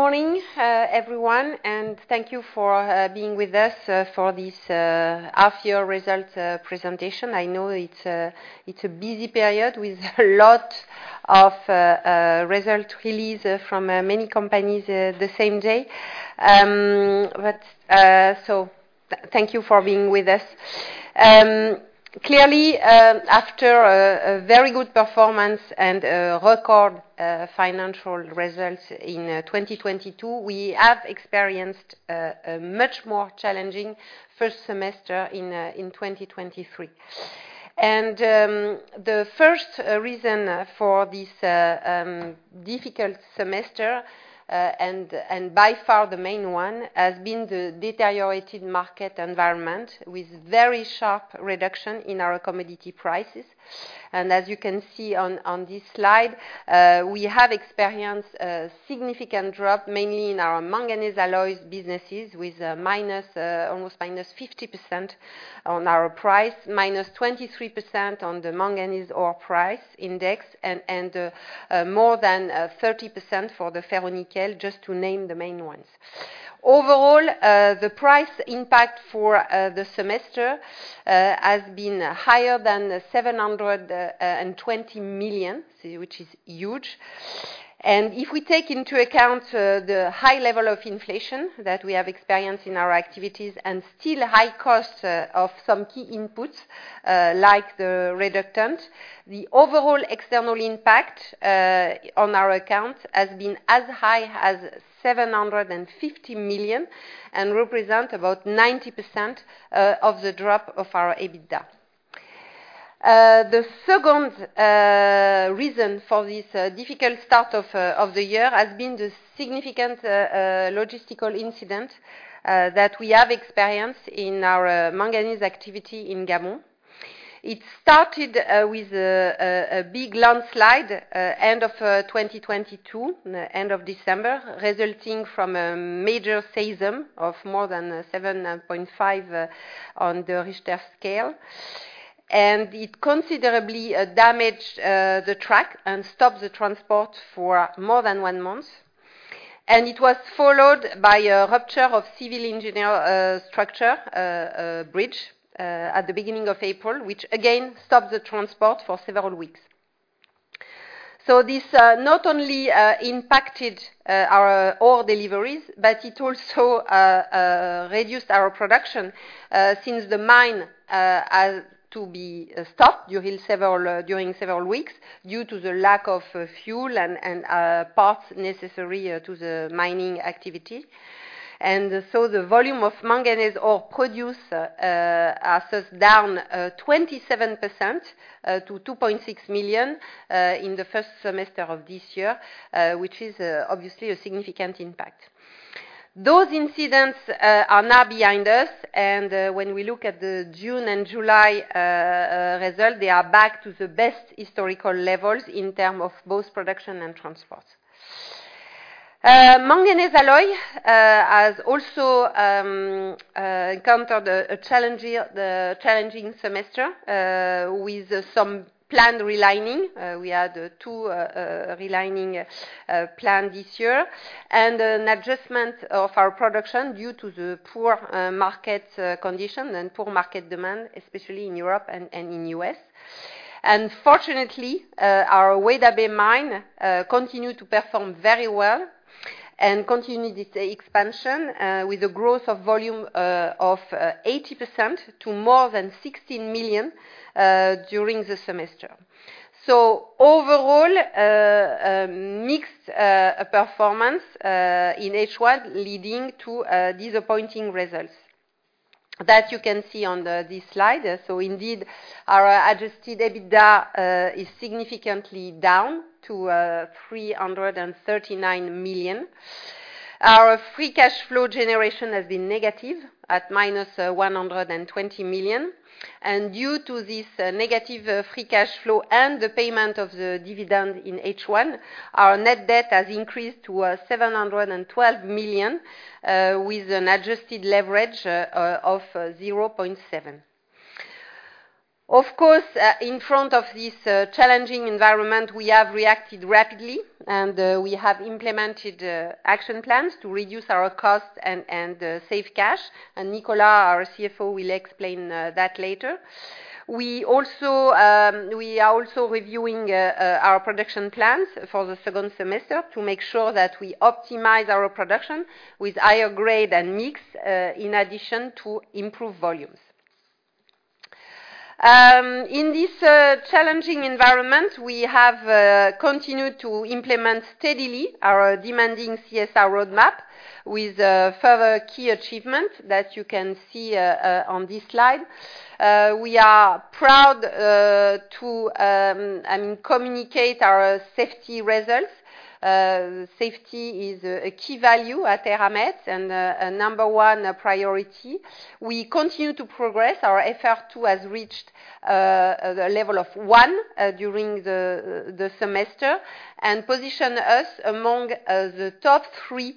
Good morning, everyone, and thank you for being with us for this half year result presentation. I know it's a busy period with a lot of result release from many companies the same day. Thank you for being with us. Clearly, after a very good performance and record financial results in 2022, we have experienced a much more challenging first semester in 2023. The first reason for this difficult semester, and by far the main one, has been the deteriorated market environment, with very sharp reduction in our commodity prices. As you can see on this slide, we have experienced a significant drop, mainly in our manganese alloys businesses, with minus almost -50% on our price, -23% on the manganese ore price index, and more than 30% for the ferronickel, just to name the main ones. Overall, the price impact for the semester has been higher than 720 million, which is huge. If we take into account the high level of inflation that we have experienced in our activities, and still high cost of some key inputs, like the reductant, the overall external impact on our accounts has been as high as 750 million, and represent about 90% of the drop of our EBITDA. The second reason for this difficult start of the year has been the significant logistical incident that we have experienced in our manganese activity in Gabon. It started with a big landslide end of 2022, end of December, resulting from a major seism of more than 7.5 on the Richter scale. It considerably damaged the track and stopped the transport for more than one month. It was followed by a rupture of civil engineer structure bridge at the beginning of April, which again stopped the transport for several weeks. This, not only impacted our ore deliveries, but it also reduced our production, since the mine had to be stopped during several weeks due to the lack of fuel and parts necessary to the mining activity. The volume of manganese ore produced as is down 27% to 2.6 million, in the first semester of this year, which is obviously a significant impact. Those incidents are now behind us. When we look at the June and July result, they are back to the best historical levels in term of both production and transport. Manganese alloy has also encountered a challenging semester, with some planned relining. We had two relining planned this year, an adjustment of our production due to the poor market conditions and poor market demand, especially in Europe and in U.S. Fortunately, our Weda Bay mine continued to perform very well and continued its expansion with a growth of volume of 80% to more than 16 million during the semester. Overall, mixed performance in H1, leading to disappointing results that you can see on this slide. Indeed, our adjusted EBITDA is significantly down to 339 million. Our free cash flow generation has been negative at -120 million. Due to this negative free cash flow and the payment of the dividend in H1, our net debt has increased to 712 million with an adjusted leverage of 0.7. Of course, in front of this challenging environment, we have reacted rapidly, and we have implemented action plans to reduce our costs and save cash. Nicolas, our CFO, will explain that later. We are also reviewing our production plans for the 2nd semester to make sure that we optimize our production with higher grade and mix in addition to improved volumes. In this challenging environment, we have continued to implement steadily our demanding CSR roadmap, with further key achievement that you can see on this slide. We are proud to communicate our safety results. Safety is a key value at Eramet and a number one priority. We continue to progress. Our FR2 has reached the level of one during the semester, and position us among the top three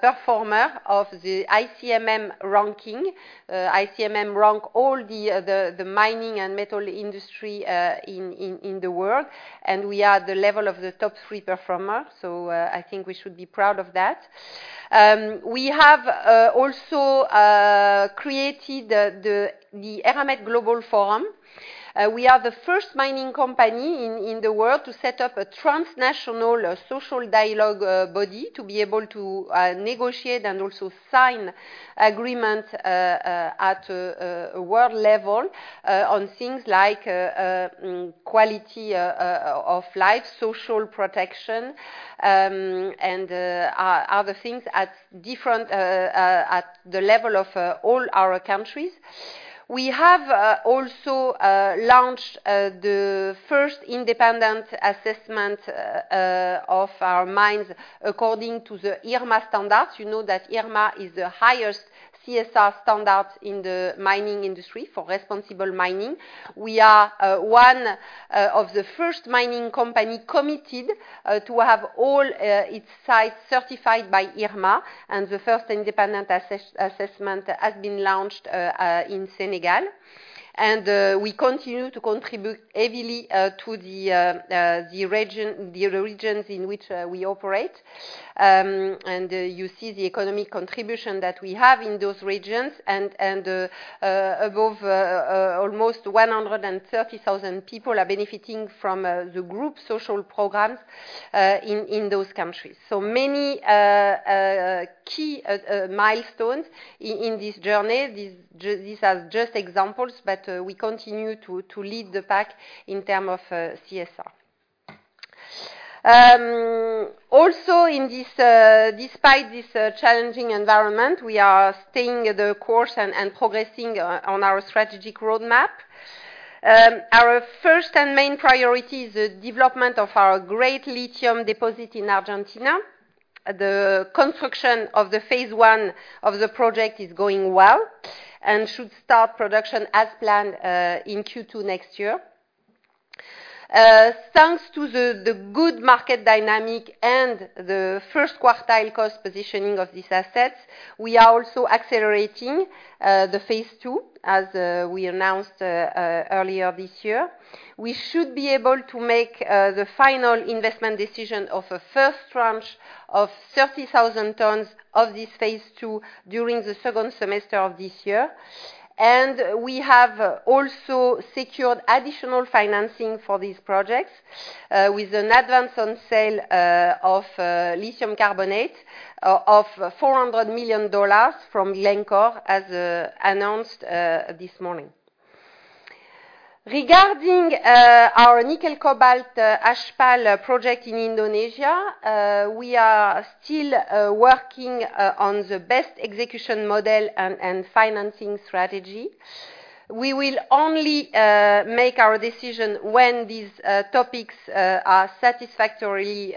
performer of the ICMM ranking. ICMM rank all the mining and metal industry in the world, and we are at the level of the top three performer, so I think we should be proud of that. We have also created the Eramet Global Forum. We are the first mining company in the world to set up a transnational social dialogue body to be able to negotiate and also sign agreement at a world level on things like quality of life, social protection, and other things at different at the level of all our countries. We have also launched the first independent assessment of our mines according to the IRMA standards. You know that IRMA is the highest CSR standard in the mining industry for responsible mining. We are one of the first mining company committed to have all its sites certified by IRMA, and the first independent assessment has been launched in Senegal. We continue to contribute heavily to the regions in which we operate. You see the economic contribution that we have in those regions and almost 130,000 people are benefiting from the group's social programs in those countries. Many key milestones in this journey. These are just examples, but we continue to lead the pack in term of CSR. Also, in this despite this challenging environment, we are staying the course and progressing on our strategic roadmap. Our first and main priority is the development of our great lithium deposit in Argentina. The construction of the phase I of the project is going well and should start production as planned in Q2 next year. Thanks to the good market dynamic and the first quartile cost positioning of these assets, we are also accelerating the phase II, as we announced earlier this year. We should be able to make the Final Investment Decision of a first tranche of 30,000 tons of this phase II during the second semester of this year. We have also secured additional financing for these projects with an advance on sale of lithium carbonate of $400 million from Glencore, as announced this morning. Regarding our nickel cobalt HPAL project in Indonesia, we are still working on the best execution model and financing strategy. We will only make our decision when these topics are satisfactorily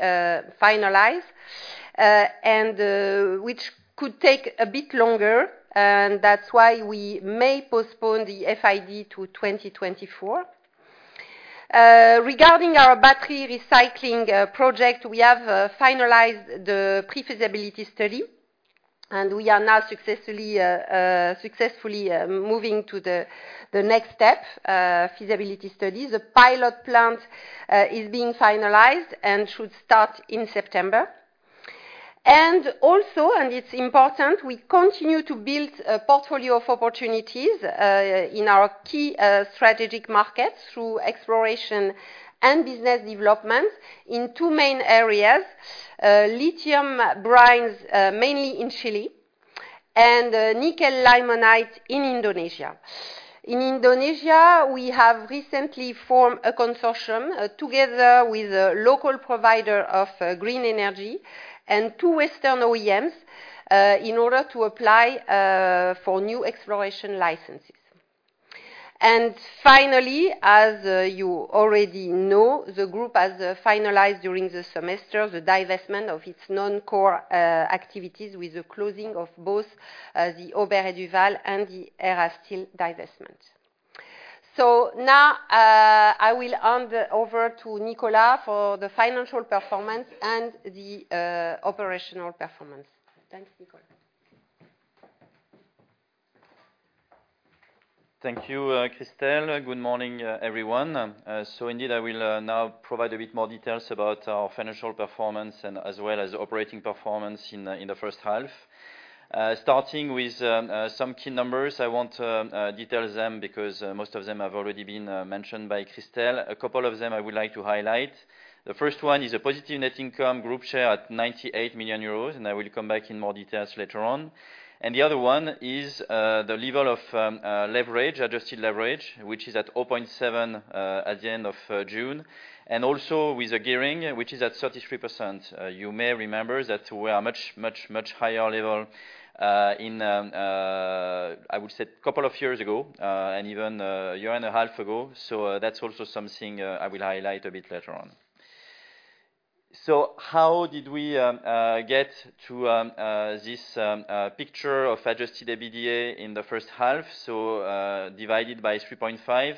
finalized, which could take a bit longer. That's why we may postpone the FID to 2024. Regarding our battery recycling project, we have finalized the pre-feasibility study. We are now successfully moving to the next step, feasibility study. The pilot plant is being finalized and should start in September. Also, it's important, we continue to build a portfolio of opportunities in our key strategic markets through exploration and business development in two main areas: lithium brines, mainly in Chile, and nickel limonite in Indonesia. In Indonesia, we have recently formed a consortium, together with a local provider of green energy and two Western OEMs, in order to apply for new exploration licenses. Finally, as you already know, the group has finalized during the semester the divestment of its non-core activities with the closing of both the Aubert & Duval and the Erasteel divestment. Now, I will hand over to Nicolas for the financial performance and the operational performance. Thanks, Nicolas. Thank you, Christel. Good morning, everyone. Indeed, I will now provide a bit more details about our financial performance and as well as operating performance in the first half. Starting with some key numbers, I want to detail them because most of them have already been mentioned by Christel. A couple of them, I would like to highlight. The first one is a positive net income group share at 98 million euros, and I will come back in more details later on. The other one is the level of leverage, adjusted leverage, which is at 0.7 at the end of June, and also with the gearing, which is at 33%. You may remember that we are much, much, much higher level in, I would say couple of years ago, and even a year and a half ago. That's also something I will highlight a bit later on. How did we get to this picture of adjusted EBITDA in the first half? Divided by 3.5.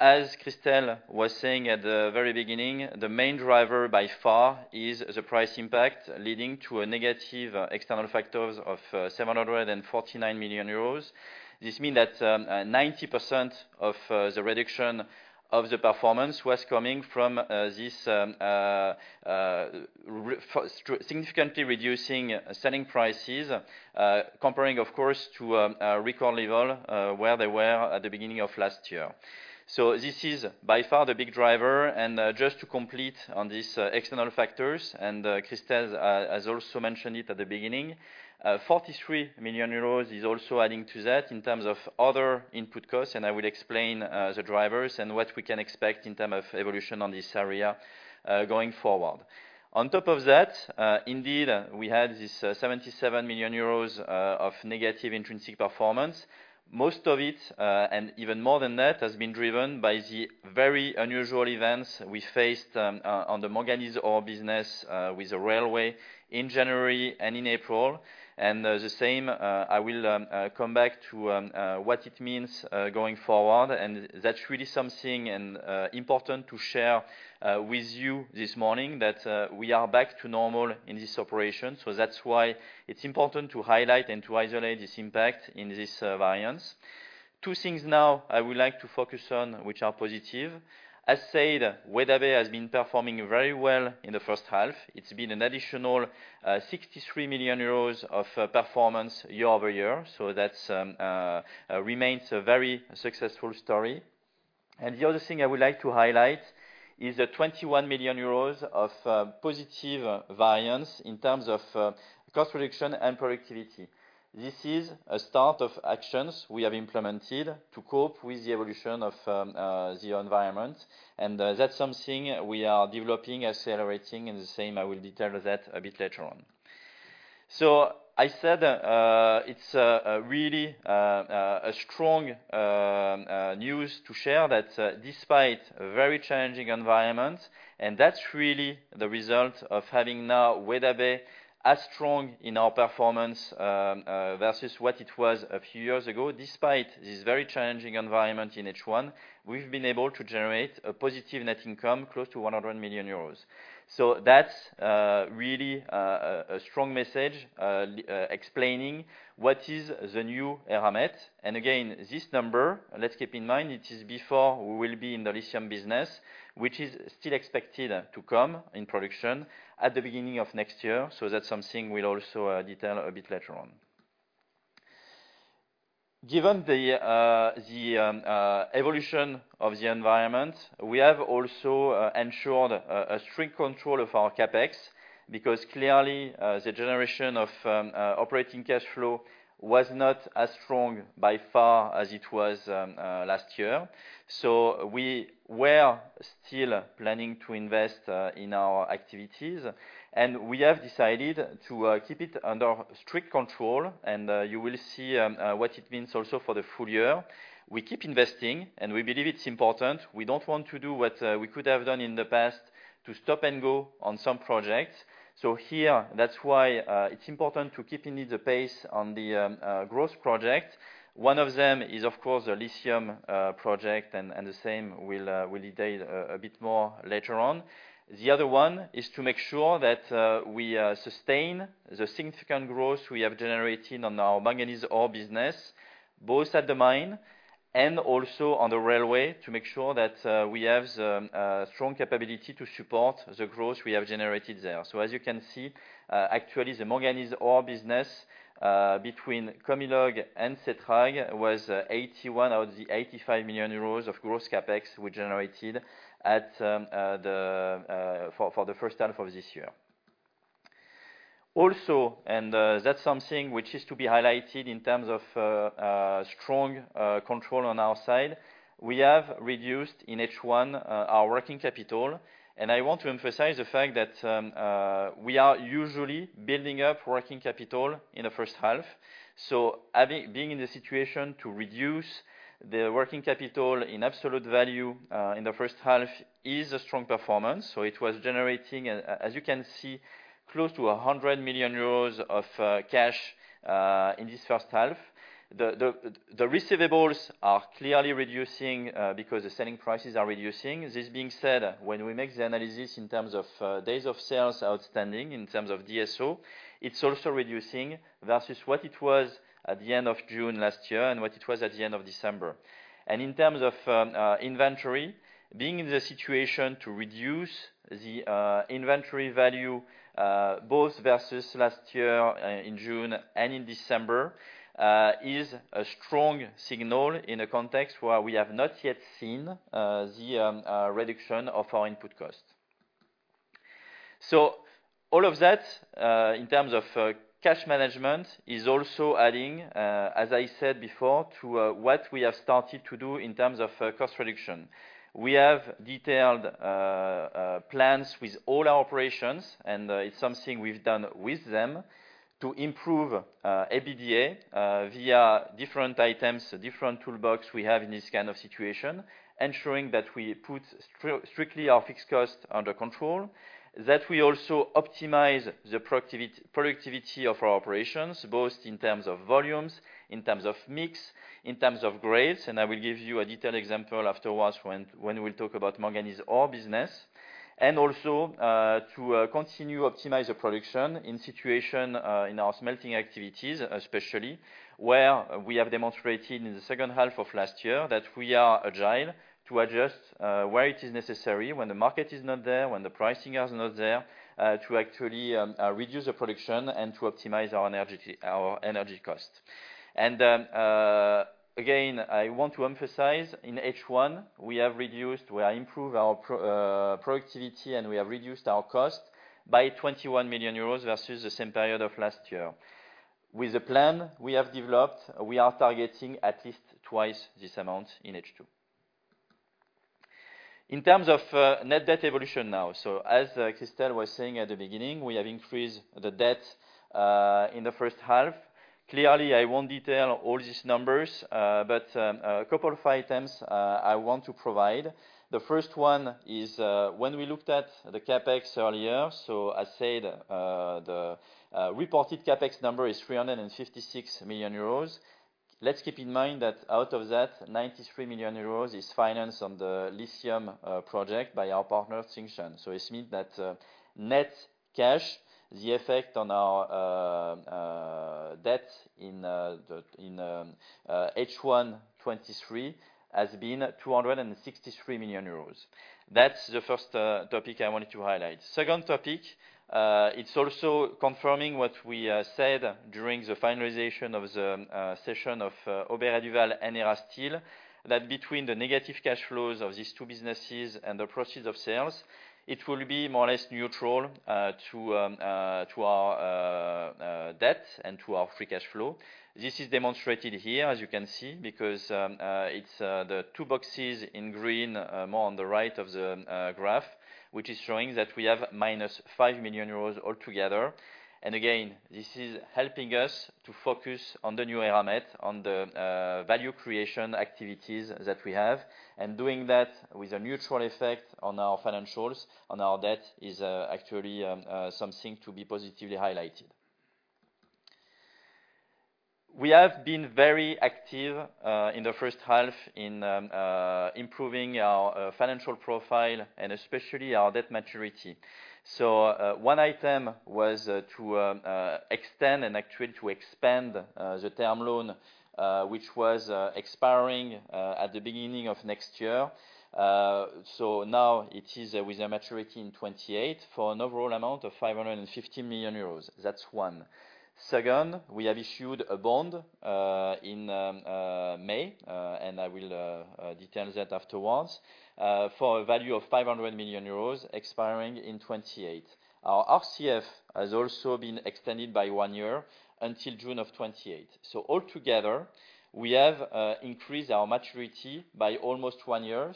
As Christel was saying at the very beginning, the main driver by far is the price impact, leading to a negative external factors of 749 million euros. This mean that 90% of the reduction of the performance was coming from this significantly reducing selling prices, comparing, of course, to a record level where they were at the beginning of last year. This is by far the big driver. Just to complete on this external factors, and Christel has also mentioned it at the beginning, 43 million euros is also adding to that in terms of other input costs. I will explain the drivers and what we can expect in term of evolution on this area going forward. On top of that, indeed, we had this 77 million euros of negative intrinsic performance. Most of it, and even more than that, has been driven by the very unusual events we faced on the manganese ore business with the railway in January and in April. The same, I will come back to what it means going forward. That's really something and important to share with you this morning, that we are back to normal in this operation. That's why it's important to highlight and to isolate this impact in this variance. Two things now I would like to focus on, which are positive. As said, Weda Bay has been performing very well in the first half. It's been an additional 63 million euros of performance year-over-year, so that's remains a very successful story. The other thing I would like to highlight is the 21 million euros of positive variance in terms of cost reduction and productivity. This is a start of actions we have implemented to cope with the evolution of the environment, that's something we are developing, accelerating, and the same, I will detail that a bit later on. I said, it's a really a strong news to share that despite a very challenging environment, that's really the result of having now Weda Bay as strong in our performance versus what it was a few years ago. Despite this very challenging environment in H1, we've been able to generate a positive net income close to 100 million euros. That's really a strong message explaining what is the new Eramet. Again, this number, let's keep in mind, it is before we will be in the lithium business, which is still expected to come in production at the beginning of next year. That's something we'll also detail a bit later on. Given the evolution of the environment, we have also ensured a strict control of our CapEx, because clearly, the generation of operating cash flow was not as strong by far as it was last year. We were still planning to invest in our activities, and we have decided to keep it under strict control. You will see what it means also for the full year. We keep investing, and we believe it's important. We don't want to do what we could have done in the past, to stop and go on some projects. Here, that's why it's important to keep indeed the pace on the growth project. One of them is, of course, the lithium project, and the same we'll detail a bit more later on. The other one is to make sure that we sustain the significant growth we have generated on our manganese ore business, both at the mine and also on the railway, to make sure that we have the strong capability to support the growth we have generated there. As you can see, actually, the manganese ore business between Comilog and SETRAG was 81 out of the 85 million euros of gross CapEx we generated at the first half of this year. That's something which is to be highlighted in terms of strong control on our side. We have reduced in H1 our working capital, and I want to emphasize the fact that we are usually building up working capital in the first half. Being in the situation to reduce the working capital in absolute value in the first half is a strong performance. It was generating, as you can see, close to 100 million euros of cash in this first half. The receivables are clearly reducing because the selling prices are reducing. This being said, when we make the analysis in terms of days of sales outstanding, in terms of DSO, it's also reducing versus what it was at the end of June last year and what it was at the end of December. In terms of inventory, being in the situation to reduce the inventory value, both versus last year, in June and in December, is a strong signal in a context where we have not yet seen the reduction of our input costs. All of that, in terms of cash management is also adding, as I said before, to what we have started to do in terms of cost reduction. We have detailed plans with all our operations. It's something we've done with them to improve EBITDA via different items, different toolbox we have in this kind of situation. Ensuring that we put strictly our fixed cost under control, that we also optimize the productivity of our operations, both in terms of volumes, in terms of mix, in terms of grades. I will give you a detailed example afterwards when we talk about manganese ore business. Also, to continue optimize the production in situation in our smelting activities, especially, where we have demonstrated in the second half of last year that we are agile to adjust where it is necessary, when the market is not there, when the pricing is not there, to actually reduce the production and to optimize our energy, our energy cost. Again, I want to emphasize in H1, we have improved our productivity, and we have reduced our cost by 21 million euros versus the same period of last year. With the plan we have developed, we are targeting at least twice this amount in H2. In terms of net debt evolution now. As Christel was saying at the beginning, we have increased the debt in the first half. Clearly, I won't detail all these numbers, but a couple of items I want to provide. The first one is, when we looked at the CapEx earlier, as said, the reported CapEx number is 356 million euros. Let's keep in mind that out of that, 93 million euros is financed on the lithium project by our partner, Tsingshan. This mean that net cash, the effect on our debt in H1 2023, has been 263 million euros. That's the first topic I wanted to highlight. Second topic, it's also confirming what we said during the finalization of the session of Aubert & Duval and Erasteel. Between the negative cash flows of these two businesses and the proceeds of sales, it will be more or less neutral to our debt and to our free cash flow. This is demonstrated here, as you can see, because it's the two boxes in green, more on the right of the graph, which is showing that we have -5 million euros altogether. Again, this is helping us to focus on the new Eramet, on the value creation activities that we have. Doing that with a neutral effect on our financials, on our debt, is actually something to be positively highlighted. We have been very active in the first half in improving our financial profile and especially our debt maturity. One item was to extend and actually to expand the term loan which was expiring at the beginning of next year. Now it is with a maturity in 2028 for an overall amount of 550 million euros. That's one. Second, we have issued a bond in May, and I will detail that afterwards, for a value of 500 million euros expiring in 2028. Our RCF has also been extended by 1 year until June of 2028. Altogether, we have increased our maturity by almost 1 year.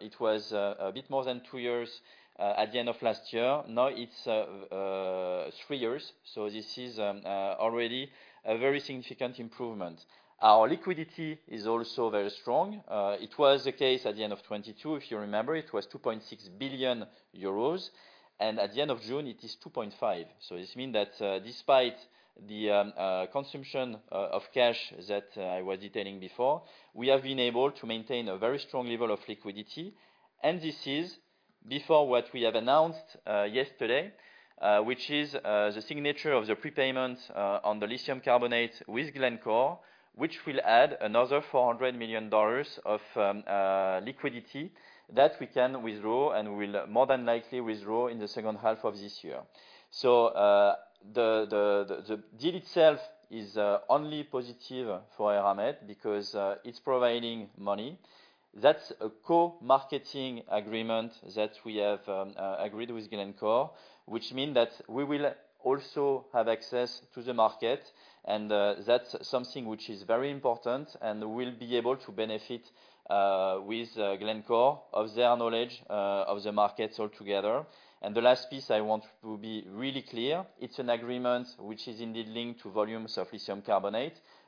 It was a bit more than 2 years at the end of last year. Now it's 3 years, this is already a very significant improvement. Our liquidity is also very strong. It was the case at the end of 2022, if you remember, it was 2.6 billion euros, and at the end of June, it is 2.5 billion. This means that, despite the consumption of cash that I was detailing before, we have been able to maintain a very strong level of liquidity. This is before what we have announced yesterday, which is the signature of the prepayment on the lithium carbonate with Glencore, which will add another $400 million of liquidity that we can withdraw and will more than likely withdraw in the second half of this year. The deal itself is only positive for Eramet because it's providing money.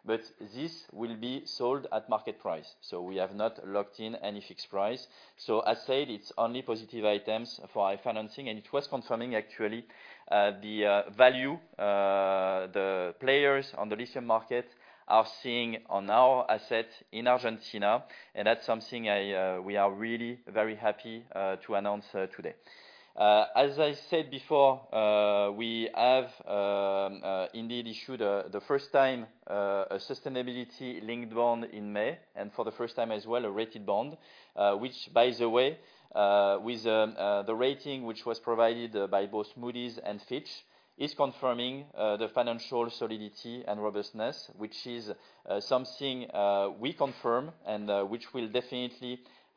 That's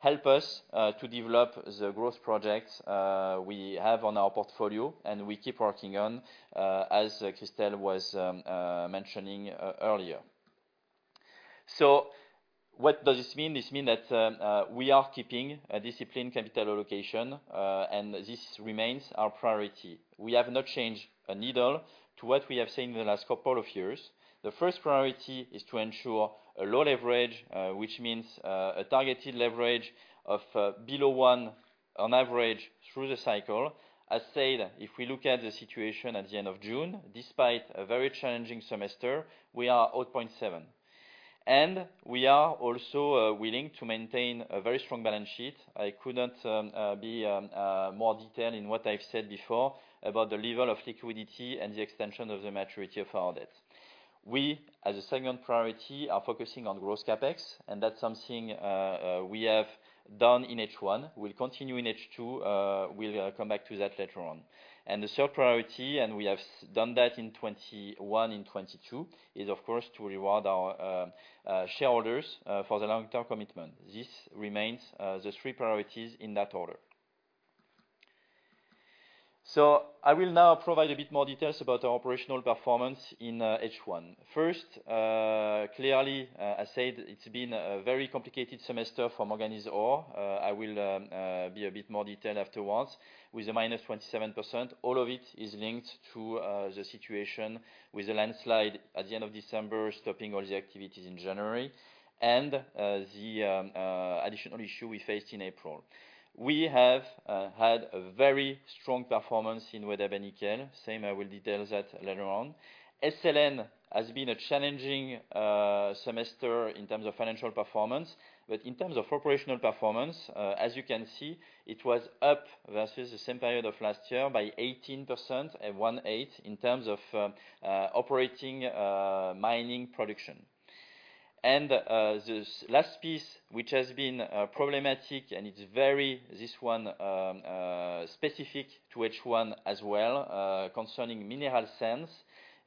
definitely help us to develop the growth projects we have on our portfolio, and we keep working on as Christel was mentioning earlier. What does this mean? This mean that we are keeping a disciplined capital allocation, and this remains our priority. We have not changed a needle to what we have seen in the last couple of years. The first priority is to ensure a low leverage, which means a targeted leverage of below one on average through the cycle. As said, if we look at the situation at the end of June, despite a very challenging semester, we are at 0.7. We are also willing to maintain a very strong balance sheet. I could not be more detailed in what I've said before about the level of liquidity and the extension of the maturity of our debt. We, as a second priority, are focusing on growth CapEx, and that's something we have done in H1. We'll continue in H2. We'll come back to that later on. The third priority, and we have done that in 2021 and 2022, is of course, to reward our shareholders for the long-term commitment. This remains the three priorities in that order. I will now provide a bit more details about our operational performance in H1. First, clearly, I said it's been a very complicated semester for manganese ore. I will be a bit more detailed afterwards. With a -27%, all of it is linked to the situation with the landslide at the end of December, stopping all the activities in January, and the additional issue we faced in April. We have had a very strong performance in Eramet Nickel. Same, I will detail that later on. SLN has been a challenging semester in terms of financial performance. In terms of operational performance, as you can see, it was up versus the same period of last year by 18% and 1/8 in terms of operating mining production. This last piece, which has been problematic and it's very, this one, specific to H1 as well, concerning mineral sands.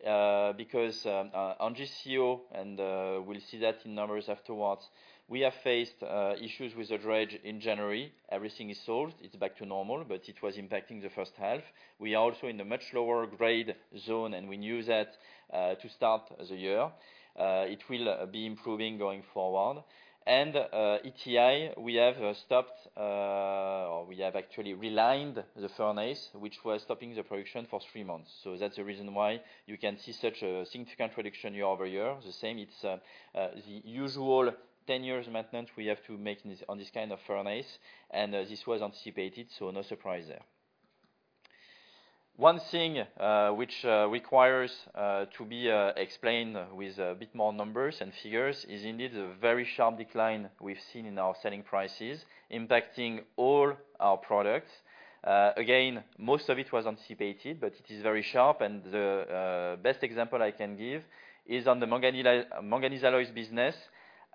On GCO and we'll see that in numbers afterwards. We have faced issues with the dredge in January. Everything is solved, it's back to normal, but it was impacting the first half. We are also in a much lower grade zone, and we knew that to start the year. It will be improving going forward. ETI, we have stopped or we have actually realigned the furnace, which was stopping the production for three months. That's the reason why you can see such a significant reduction year-over-year. The same it's the usual 10 years maintenance we have to make on this, on this kind of furnace. This was anticipated, no surprise there. One thing which requires to be explained with a bit more numbers and figures is indeed the very sharp decline we've seen in our selling prices, impacting all our products. Again, most of it was anticipated, but it is very sharp. The best example I can give is on the Manganese Alloys business.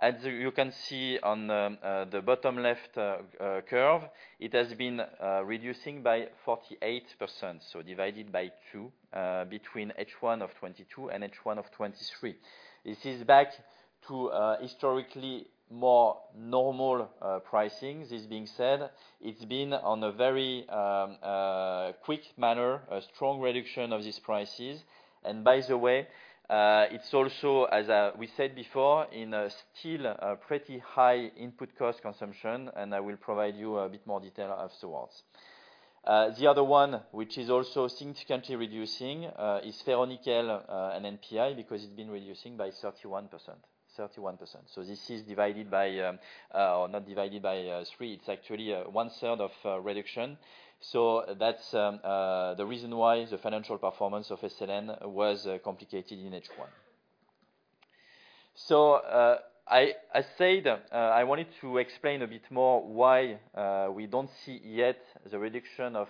As you can see on the bottom left curve, it has been reducing by 48%, so divided by two, between H1 of 2022 and H1 of 2023. This is back to historically more normal pricing. This being said, it's been on a very quick manner, a strong reduction of these prices. By the way, it's also, as we said before, in a still, a pretty high input cost consumption, and I will provide you a bit more detail afterwards. The other one, which is also significantly reducing, is Ferronickel and NPI, because it's been reducing by 31%. 31%. This is divided by, not divided by three, it's actually 1/3 of reduction. That's the reason why the financial performance of SLN was complicated in H1. I said, I wanted to explain a bit more why we don't see yet the reduction of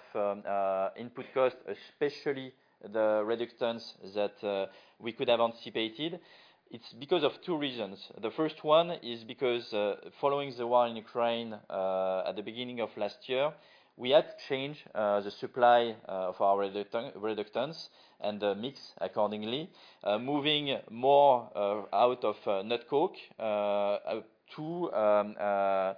input costs, especially the reductants that we could have anticipated. It's because of two reasons. The first one is because, following the war in Ukraine, at the beginning of last year, we had to change the supply of our reductants and the mix accordingly. Moving more out of nut coke to low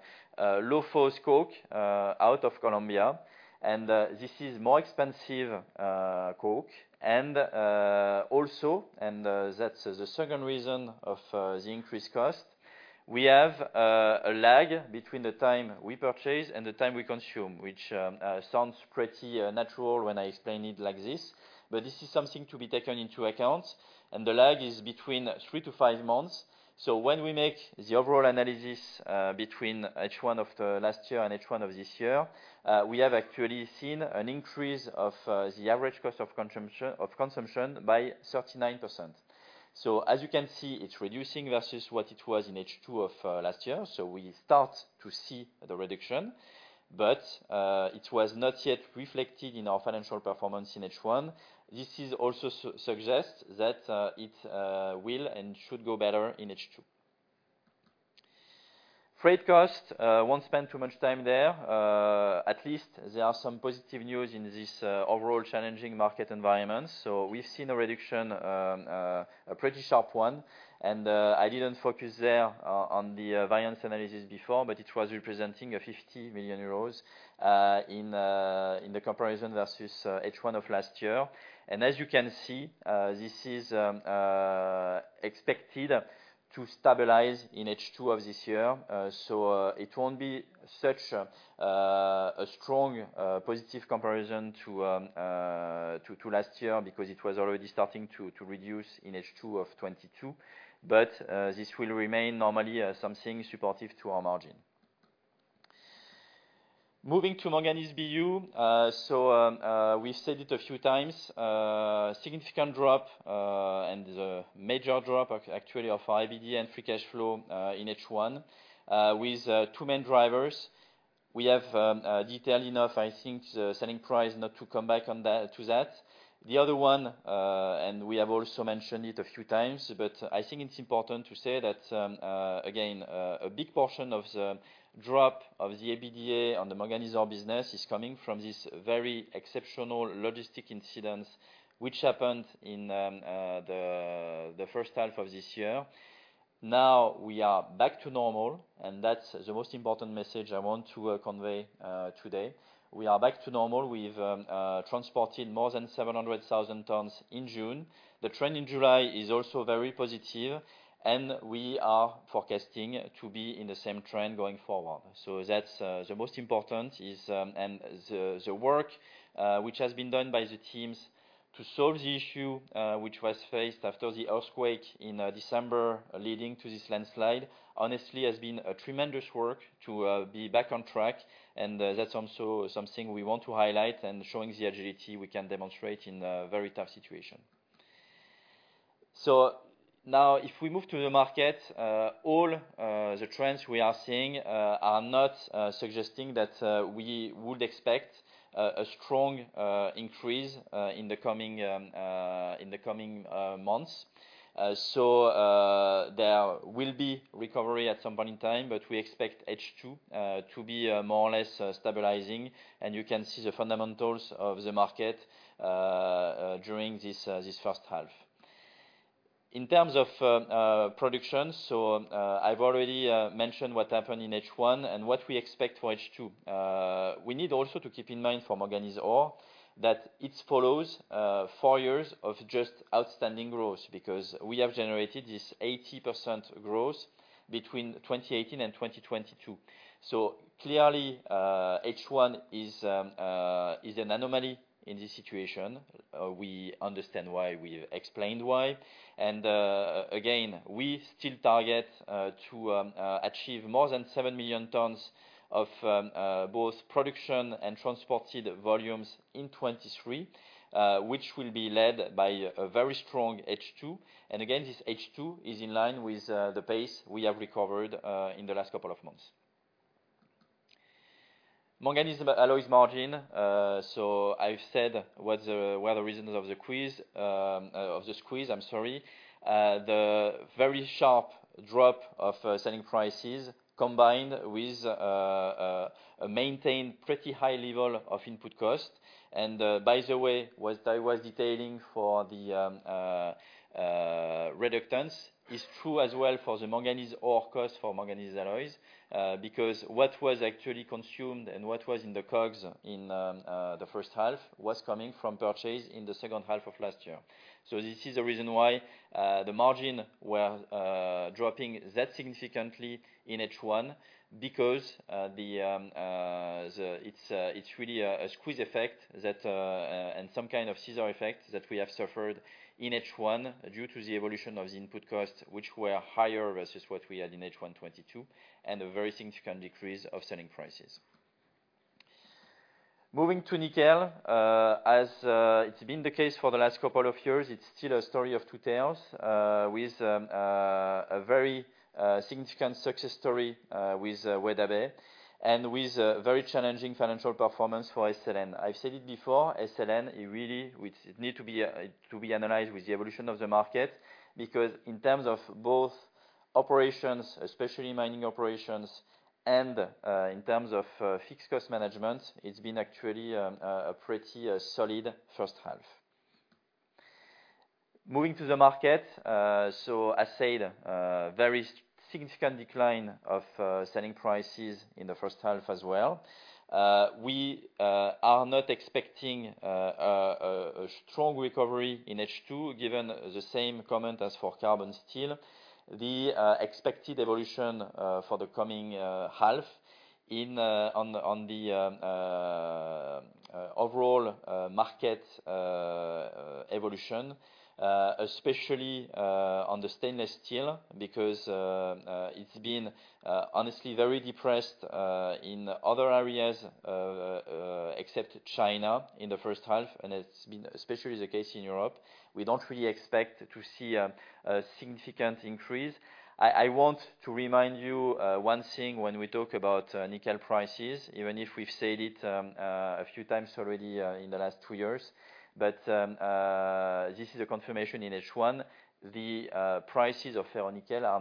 Phos coke out of Colombia. This is more expensive coke. Also, that's the second reason of the increased cost. We have a lag between the time we purchase and the time we consume, which sounds pretty natural when I explain it like this, but this is something to be taken into account, and the lag is between three to five months. When we make the overall analysis between H1 of the last year and H1 of this year, we have actually seen an increase of the average cost of consumption by 39%. As you can see, Moving to Manganese BU. We said it a few times, significant drop, and a major drop actually, of EBITDA and free cash flow in H1. With two main drivers, we have detailed enough, I think, the selling price, not to come back on that, to that. The other one, and we have also mentioned it a few times, but I think it's important to say that again, a big portion of the drop of the EBITDA on the manganese ore business is coming from this very exceptional logistic incident which happened in the first half of this year. Now, we are back to normal, and that's the most important message I want to convey today. We are back to normal. We've transported more than 700,000 tons in June. The trend in July is also very positive, and we are forecasting to be in the same trend going forward. That's the most important is, and the work which has been done by the teams to solve the issue which was faced after the earthquake in December leading to this landslide, honestly, has been a tremendous work to be back on track, and that's also something we want to highlight and showing the agility we can demonstrate in a very tough situation. Now, if we move to the market, all the trends we are seeing are not suggesting that we would expect a strong increase in the coming months. There will be recovery at some point in time, but we expect H2 to be more or less stabilizing. You can see the fundamentals of the market during this first half. In terms of production, so, I've already mentioned what happened in H1 and what we expect for H2. We need also to keep in mind for manganese ore, that it follows four years of just outstanding growth because we have generated this 80% growth between 2018 and 2022. Clearly, H1 is an anomaly in this situation. We understand why, we explained why. Again, we still target to achieve more than 7 million tons of both production and transported volumes in 2023, which will be led by a very strong H2. Again, this H2 is in line with the pace we have recovered in the last couple of months. Manganese alloys margin, so I've said what are the reasons of the squeeze, I'm sorry. The very sharp drop of selling prices combined with a maintained pretty high level of input costs. By the way, what I was detailing for the reductant is true as well for the manganese ore cost, for manganese alloys. Because what was actually consumed and what was in the COGS in the first half, was coming from purchase in the second half of last year. This is the reason why the margin were dropping that significantly in H1, because it's really a squeeze effect that and some kind of scissor effect that we have suffered in H1 due to the evolution of the input costs, which were higher versus what we had in H1 2022, and a very significant decrease of selling prices. Moving to nickel, as it's been the case for the last couple of years, it's still a story of two tales, with a very significant success story with Weda Bay and with a very challenging financial performance for SLN. I've said it before, SLN, it really, which need to be to be analyzed with the evolution of the market, because in terms of both operations, especially mining operations and in terms of fixed cost management, it's been actually a pretty solid first half. Moving to the market, as said, a very significant decline of selling prices in the first half as well. We are not expecting a strong recovery in H2, given the same comment as for carbon steel. The expected evolution for the coming half in on the overall market evolution, especially on the stainless steel, because it's been honestly very depressed in other areas, except China in the first half, and it's been especially the case in Europe. We don't really expect to see a significant increase. I want to remind you one thing when we talk about nickel prices, even if we've said it a few times already in the last two years, but this is a confirmation in H1. The prices of ferronickel are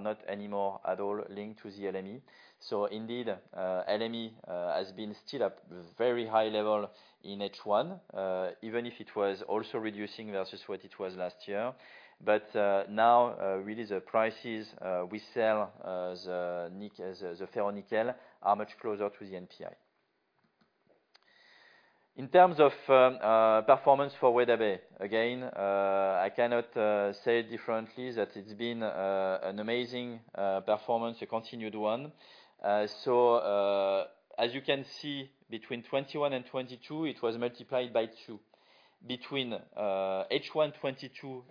not anymore at all linked to the LME. Indeed, LME has been still at very high level in H1, even if it was also reducing versus what it was last year. Now really the prices we sell the ferronickel are much closer to the NPI. In terms of performance for Weda Bay, again, I cannot say it differently that it's been an amazing performance, a continued one. As you can see, between 2021 and 2022, it was multiplied by two. Between H1 2022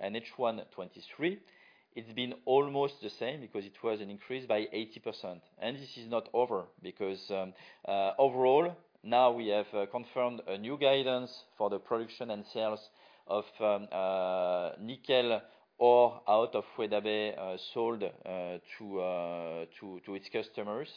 and H1 2023, it's been almost the same because it was an increase by 80%. This is not over, because overall, now we have confirmed a new guidance for the production and sales of nickel ore out of Weda Bay, sold to its customers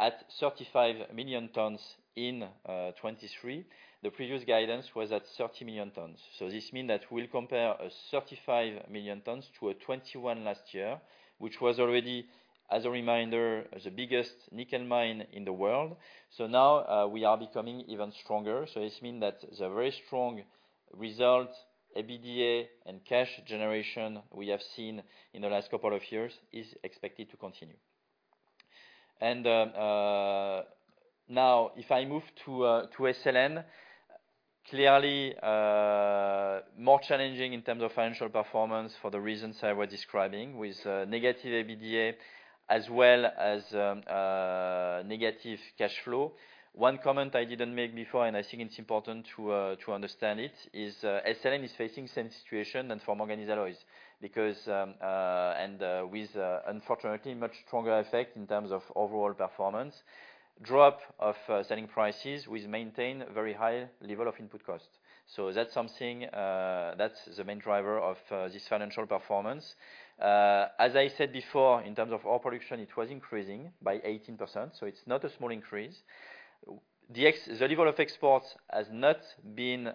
at 35 million tons in 2023. The previous guidance was at 30 million tons. This mean that we'll compare a 35 million tons to a 21 million tons last year, which was already, as a reminder, the biggest nickel mine in the world. Now, we are becoming even stronger. This mean that the very strong result, EBITDA, and cash generation we have seen in the last couple of years, is expected to continue. Now, if I move to SLN, clearly, more challenging in terms of financial performance for the reasons I was describing, with negative EBITDA as well as negative cash flow. One comment I didn't make before, and I think it's important to understand it, is SLN is facing same situation than for manganese alloys. Because, with unfortunately much stronger effect in terms of overall performance, drop of selling prices, we maintain very high level of input costs. That's something that's the main driver of this financial performance. As I said before, in terms of ore production, it was increasing by 18%, so it's not a small increase. The level of exports has not been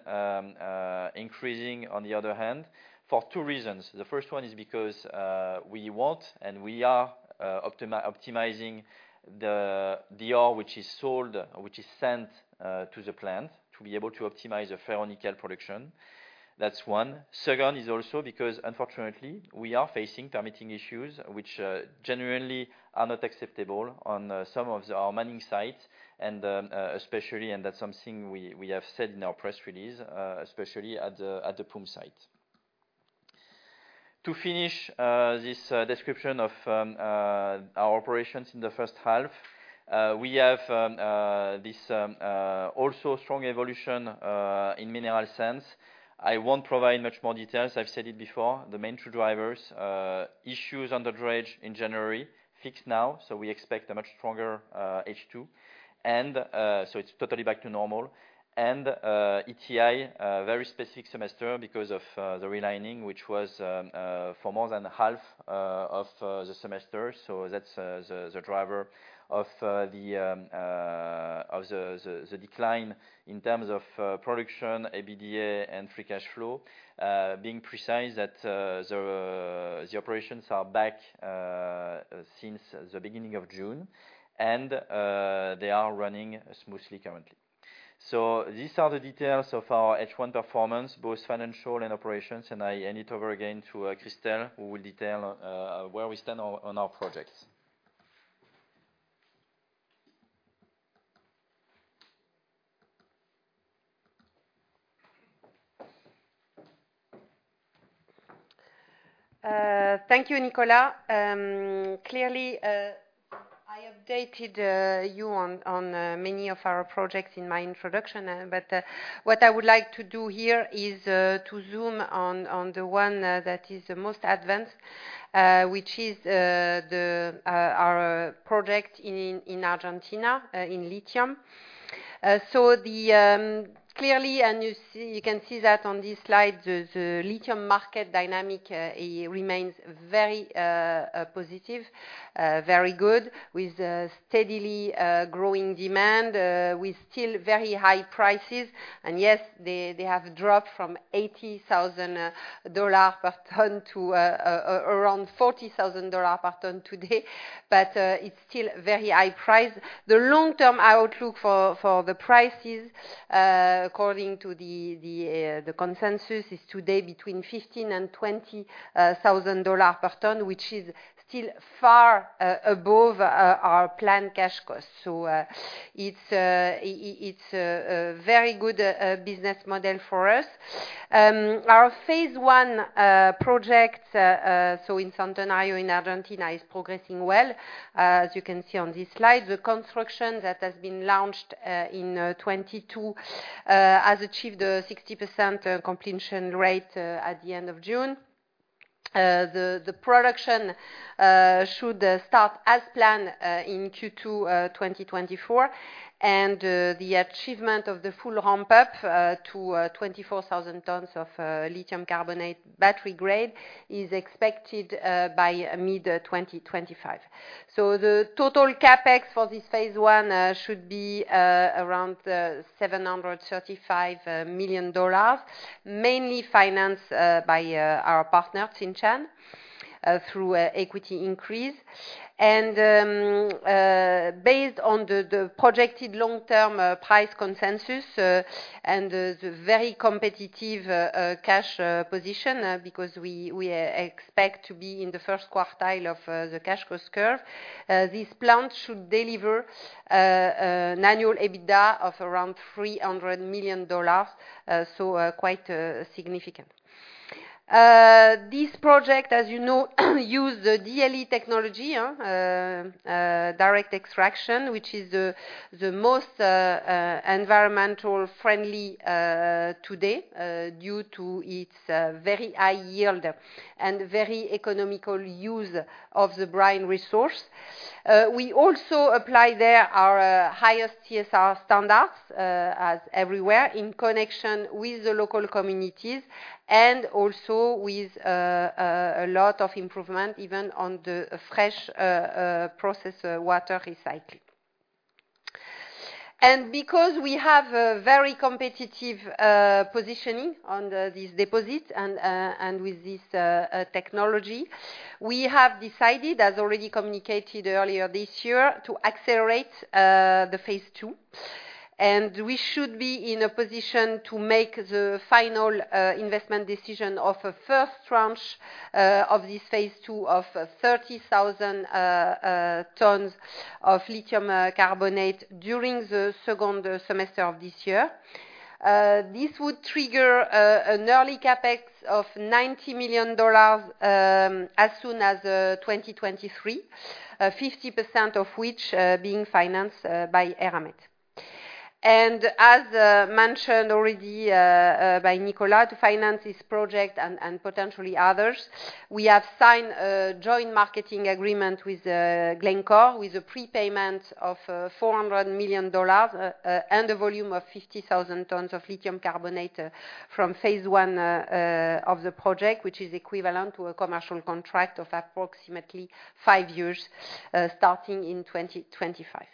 increasing, on the other hand, for two reasons. The first one is because, we want, and we are optimizing the ore which is sold, which is sent to the plant, to be able to optimize the ferronickel production. That's one. Second, is also because unfortunately, we are facing permitting issues which generally are not acceptable on some of the our mining sites, and especially, and that's something we have said in our press release, especially at the Poum site. To finish, this description of our operations in the first half, we have this also strong evolution in mineral sands. I won't provide much more details. I've said it before, the main two drivers, issues on the dredge in January, fixed now, so we expect a much stronger H2. It's totally back to normal. ETI, a very specific semester because of the relining, which was for more than half of the semester. That's the driver of the decline in terms of production, EBITDA, and free cash flow. Being precise that the operations are back since the beginning of June, and they are running smoothly currently. These are the details of our H1 performance, both financial and operations, and I hand it over again to Christel, who will detail where we stand on our projects. Thank you, Nicolas. Clearly, I updated you on many of our projects in my introduction. What I would like to do here is to zoom on the one that is the most advanced, which is our project in Argentina, in lithium. Clearly, and you see, you can see that on this slide, the lithium market dynamic, it remains very positive, very good, with steadily growing demand, with still very high prices. Yes, they have dropped from $80,000 per ton to around $40,000 per ton today, it's still very high price. The long-term outlook for the prices, according to the consensus, is today between $15,000 and $20,000 per ton, which is still far above our planned cash costs. It's a very good business model for us. Our phase I project so in Salta, in Argentina, is progressing well. As you can see on this slide, the construction that has been launched in 2022 has achieved a 60% completion rate at the end of June. The production should start as planned in Q2 2024. The achievement of the full ramp-up to 24,000 tons of lithium carbonate battery grade is expected by mid-2025. The total CapEx for this phase I should be around $735 million, mainly financed by our partner, Tsingshan, through a equity increase. Based on the projected long-term price consensus and the very competitive cash position, because we expect to be in the first quartile of the cash cost curve, this plant should deliver annual EBITDA of around $300 million, so quite significant. This project, as you know, use the DLE technology, direct extraction, which is the most environmental friendly today, due to its very high yield and very economical use of the brine resource. We also apply there our highest CSR standards as everywhere in connection with the local communities and also with a lot of improvement even on the fresh process water recycling. Because we have a very competitive positioning on this deposit and with this technology, we have decided, as already communicated earlier this year, to accelerate the phase II. We should be in a position to make the final investment decision of a first tranche of this phase II of 30,000 tons of lithium carbonate during the second semester of this year. This would trigger an early CapEx of $90 million as soon as 2023, 50% of which being financed by Eramet. As mentioned already by Nicolas, finance this project and potentially others, we have signed a joint marketing agreement with Glencore, with a prepayment of $400 million and a volume of 50,000 tons of lithium carbonate from phase I of the project, which is equivalent to a commercial contract of approximately five years, starting in 2025.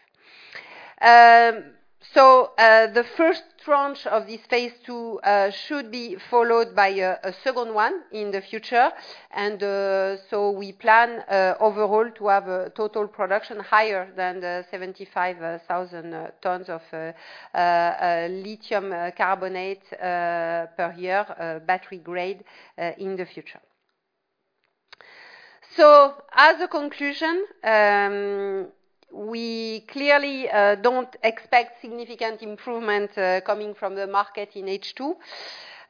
The first tranche of this phase II should be followed by a second one in the future. We plan overall to have a total production higher than 75,000 tons of lithium carbonate per year, battery grade, in the future. As a conclusion, we clearly don't expect significant improvement coming from the market in H2.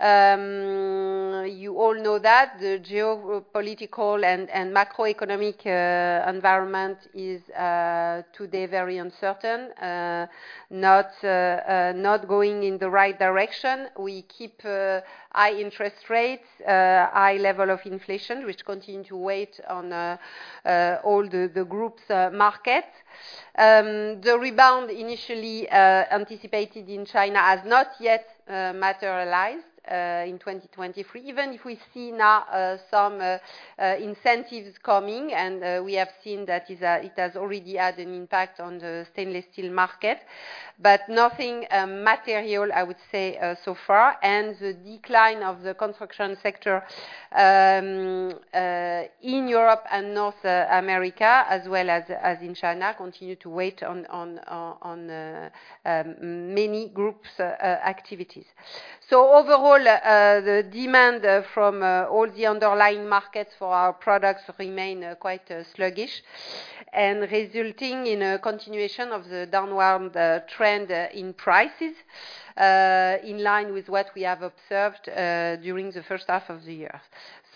You all know that the geopolitical and macroeconomic environment is today very uncertain, not going in the right direction. We keep high interest rates, high level of inflation, which continue to wait on all the groups market. The rebound initially anticipated in China has not yet materialized in 2023. Even if we see now some incentives coming, and we have seen that is it has already had an impact on the stainless steel market, but nothing material, I would say, so far. The decline of the construction sector in Europe and North America, as well as in China, continue to wait on many groups activities. Overall, the demand from all the underlying markets for our products remain quite sluggish and resulting in a continuation of the downward trend in prices in line with what we have observed during the first half of the year.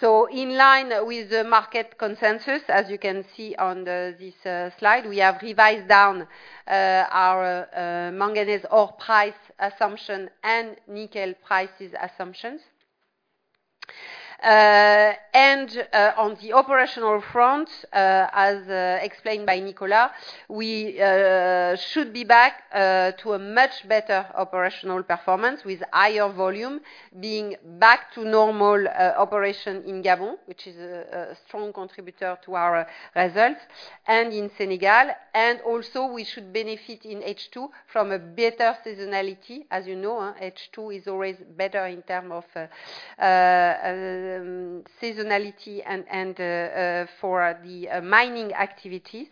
In line with the market consensus, as you can see on this slide, we have revised down our manganese ore price assumption and nickel prices assumptions. On the operational front, as explained by Nicolas, we should be back to a much better operational performance, with higher volume being back to normal operation in Gabon, which is a strong contributor to our results, and in Senegal. Also we should benefit in H2 from a better seasonality. As you know, H2 is always better in term of seasonality and for the mining activity.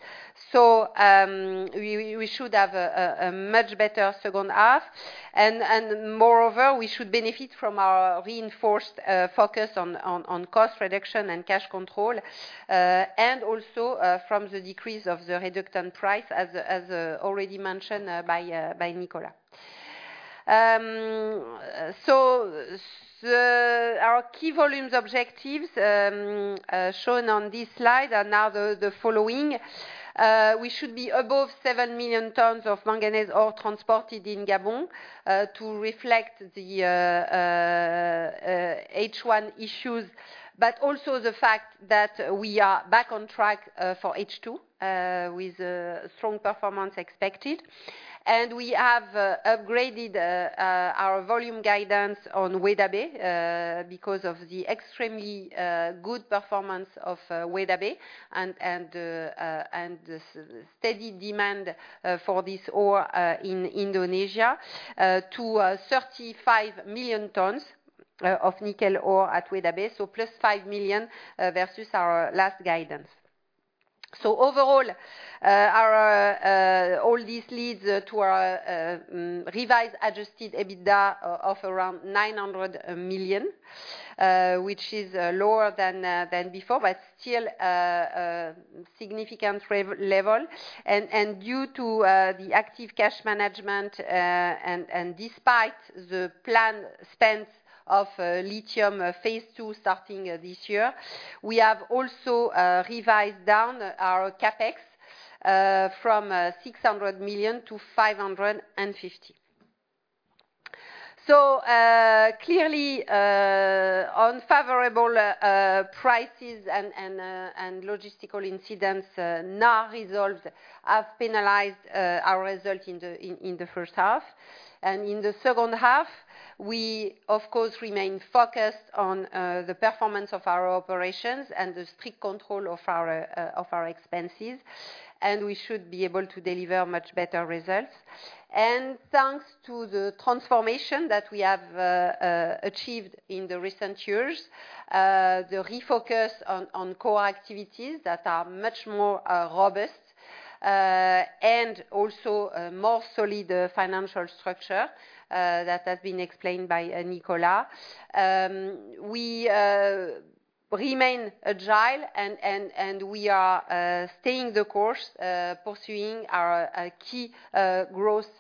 We should have a much better second half. Moreover, we should benefit from our reinforced focus on cost reduction and cash control, and also from the decrease of the reductant price as already mentioned by Nicolas. Our key volumes objectives shown on this slide are now the following: We should be above 7 million tons of manganese ore transported in Gabon, to reflect the H1 issues, but also the fact that we are back on track for H2, with a strong performance expected. We have upgraded our volume guidance on Weda Bay because of the extremely good performance of Weda Bay and steady demand for this ore in Indonesia to 35 million tons of nickel ore at Weda Bay, so +5 million versus our last guidance. Overall, all this leads to our revised adjusted EBITDA of around 900 million, which is lower than before, but still significant level. Due to the active cash management and despite the planned spends of lithium phase II starting this year, we have also revised down our CapEx from EUR 600 million-EUR 550 million Clearly, unfavorable prices and logistical incidents, now resolved, have penalized our result in the first half. In the second half, we of course remain focused on the performance of our operations and the strict control of our expenses, and we should be able to deliver much better results. Thanks to the transformation that we have achieved in the recent years, the refocus on core activities that are much more robust, and also a more solid financial structure, that has been explained by Nicolas. We remain agile and we are staying the course, pursuing our key growth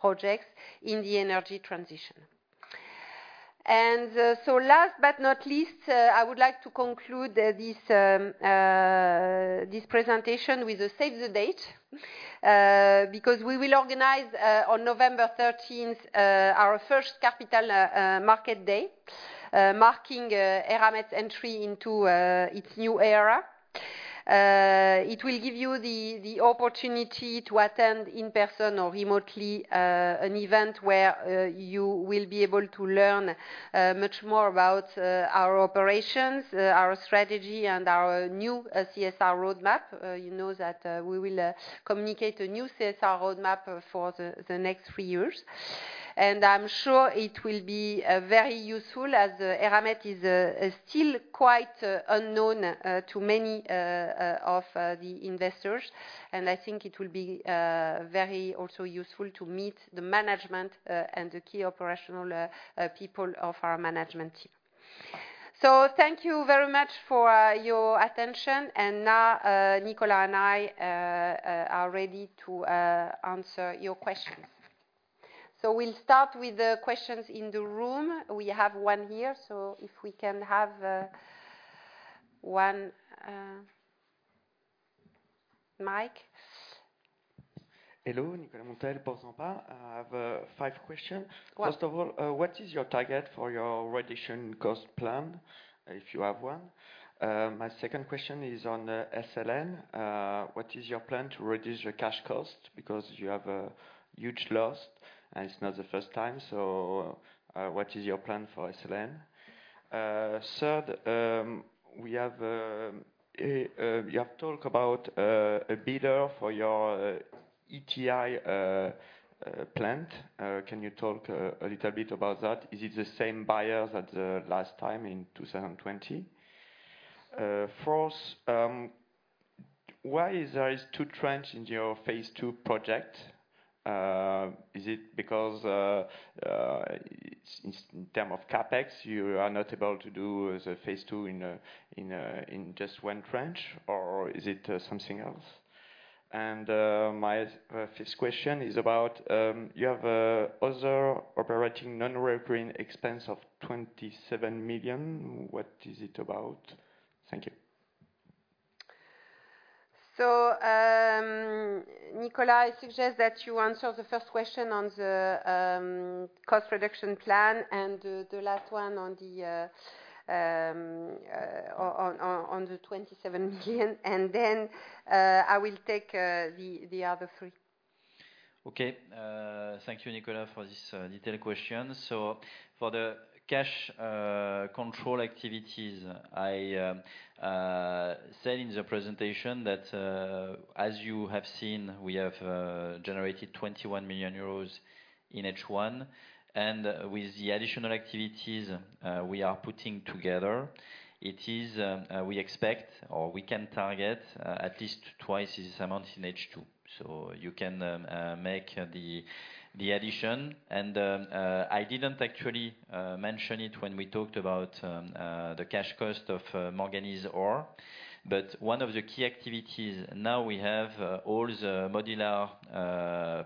projects in the energy transition. Last but not least, I would like to conclude this presentation with a save the date, because we will organize on November 13th our first capital market day, marking Eramet entry into its new era. It will give you the opportunity to attend in person or remotely an event where you will be able to learn much more about our operations, our strategy, and our new CSR roadmap. You know that we will communicate a new CSR roadmap for the next three years. And I'm sure it will be very useful as Eramet is still quite unknown to many of the investors. I think it will be very also useful to meet the management, and the key operational people of our management team. Thank you very much for your attention. Now, Nicolas and I are ready to answer your questions. We'll start with the questions in the room. We have one here, so if we can have one mic. Hello, [Nicolas Montel, Bank Zomba]. I have 5 question. Go ahead. First of all, what is your target for your reduction cost plan, if you have one? My second question is on SLN. What is your plan to reduce your cash cost? Because you have a huge loss, and it's not the first time. What is your plan for SLN? Third, you have talked about a bidder for your ETI plant. Can you talk a little bit about that? Is it the same buyer as at the last time in 2020? Fourth, why is there is two trench in your phase II project? Is it because, in term of CapEx, you are not able to do the phase II in just one trench, or is it something else? My, fifth question is about, you have a other operating non-recurring expense of 27 million. What is it about? Thank you. Nicolas, I suggest that you answer the first question on the cost reduction plan and the last one on the 27 million, and then I will take the other three. Okay. Thank you, Nicolas, for this detailed question. For the cash control activities, I said in the presentation that as you have seen, we have generated 21 million euros in H1. With the additional activities we are putting together, we expect or we can target at least twice this amount in H2. You can make the addition. I didn't actually mention it when we talked about the cash cost of manganese ore, but one of the key activities now we have all the modular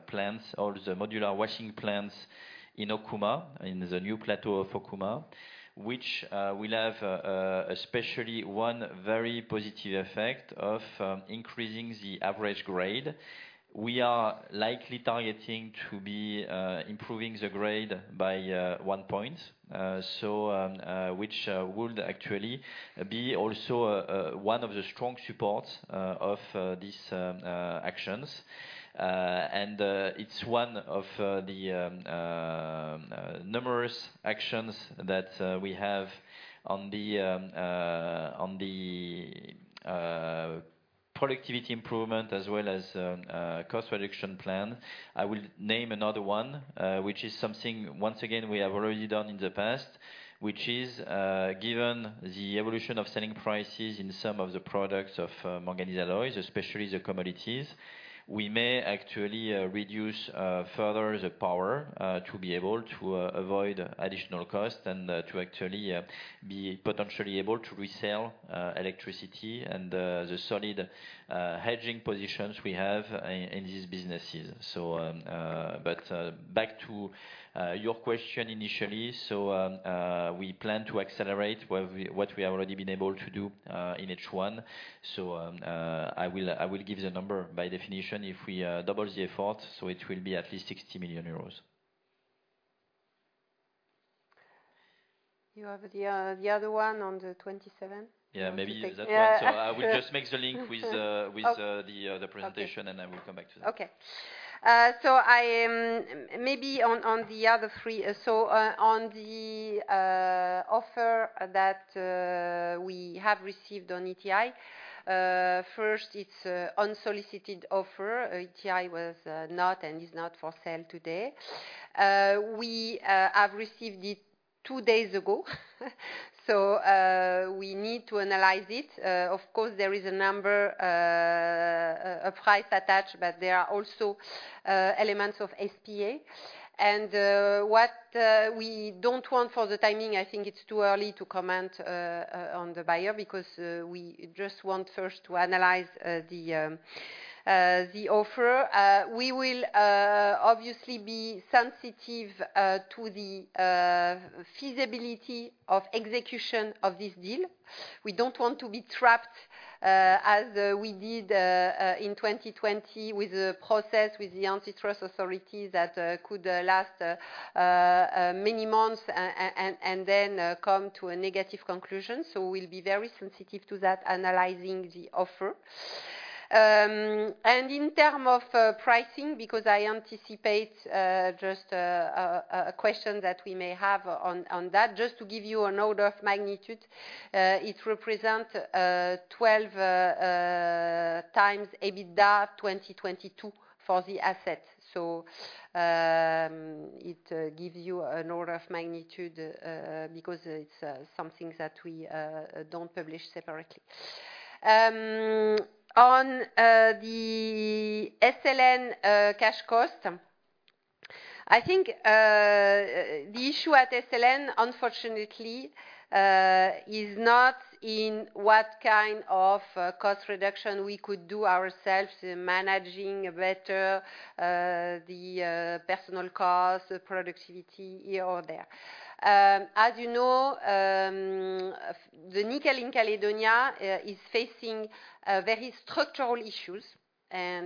plants, all the modular washing plants in Okouma, in the new plateau of Okouma, which will have especially one very positive effect of increasing the average grade. We are likely targeting to be improving the grade by one point. Which would actually be also one of the strong supports of these actions. It's one of the numerous actions that we have on the productivity improvement, as well as cost reduction plan. I will name another one, which is something once again, we have already done in the past, which is given the evolution of selling prices in some of the products of manganese alloys, especially the commodities. We may actually reduce further the power to be able to avoid additional costs and to actually be potentially able to resell electricity and the solid hedging positions we have in these businesses. But back to your question initially. We plan to accelerate what we have already been able to do in H1. I will give the number. By definition, if we double the effort, so it will be at least 60 million euros. You have the other one on the 27? Yeah, maybe that one. Yeah. I will just make the link with. Oh With, the other presentation Okay I will come back to that. Okay. I am maybe on the other three. On the offer that we have received on ETI, first it's a unsolicited offer. ETI was not, and is not for sale today. We have received it two days ago, so we need to analyze it. Of course, there is a number of price attached, but there are also elements of SPA. What we don't want for the timing, I think it's too early to comment on the buyer, because we just want first to analyze the offer. We will obviously be sensitive to the feasibility of execution of this deal. We don't want to be trapped, as we did in 2020, with the process, with the antitrust authorities that could last many months and then come to a negative conclusion. We'll be very sensitive to that, analyzing the offer. And in term of pricing, because I anticipate just a question that we may have on that. Just to give you an order of magnitude, it represent 12 times EBITDA 2022 for the asset. It gives you an order of magnitude, because it's something that we don't publish separately. On the SLN cash cost, I think the issue at SLN, unfortunately, is not in what kind of cost reduction we could do ourselves in managing better the personal cost, productivity here or there. As you know, the nickel in Caledonia is facing very structural issues. All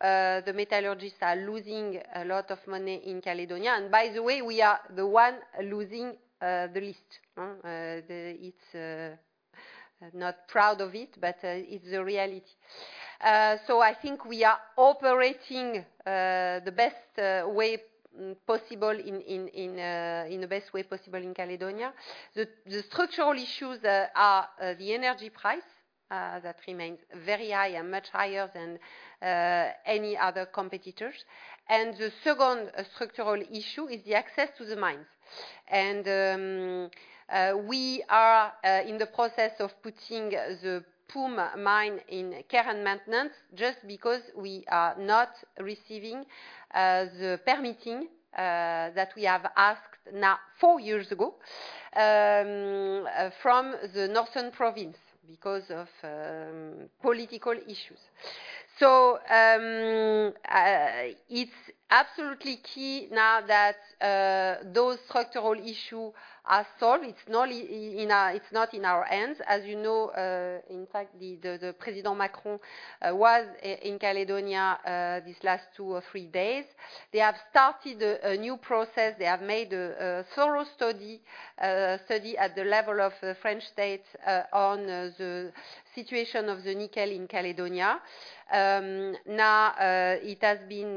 the metallurgists are losing a lot of money in Caledonia. By the way, we are the one losing the least. It's not proud of it, but it's the reality. I think we are operating the best way possible in the best way possible in Caledonia. The structural issues are the energy price that remains very high and much higher than any other competitors. The second structural issue is the access to the mines. We are in the process of putting the Poum mine in care and maintenance, just because we are not receiving the permitting that we have asked now four years ago from the northern province, because of political issues. It's absolutely key now that those structural issue are solved. It's not in our hands. As you know, in fact, the President Macron was in Caledonia these last two or three days. They have started a new process. They have made a thorough study at the level of the French state on the situation of the nickel in Caledonia. Now, it has been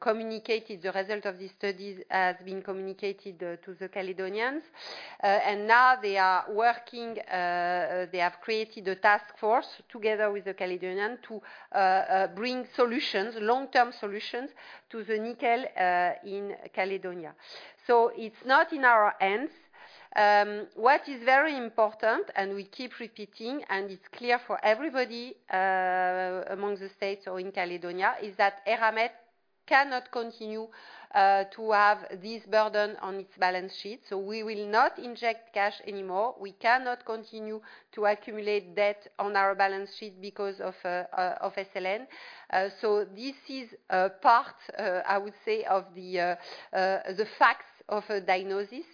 communicated, the result of these studies has been communicated to the Caledonians. Now they are working, they have created a task force together with the Caledonian to bring solutions, long-term solutions to the nickel in Caledonia. It's not in our hands. What is very important, and we keep repeating, and it's clear for everybody, among the states or in Caledonia, is that Eramet cannot continue to have this burden on its balance sheet. We will not inject cash anymore. We cannot continue to accumulate debt on our balance sheet because of SLN. This is a part, I would say, of the facts of a diagnosis.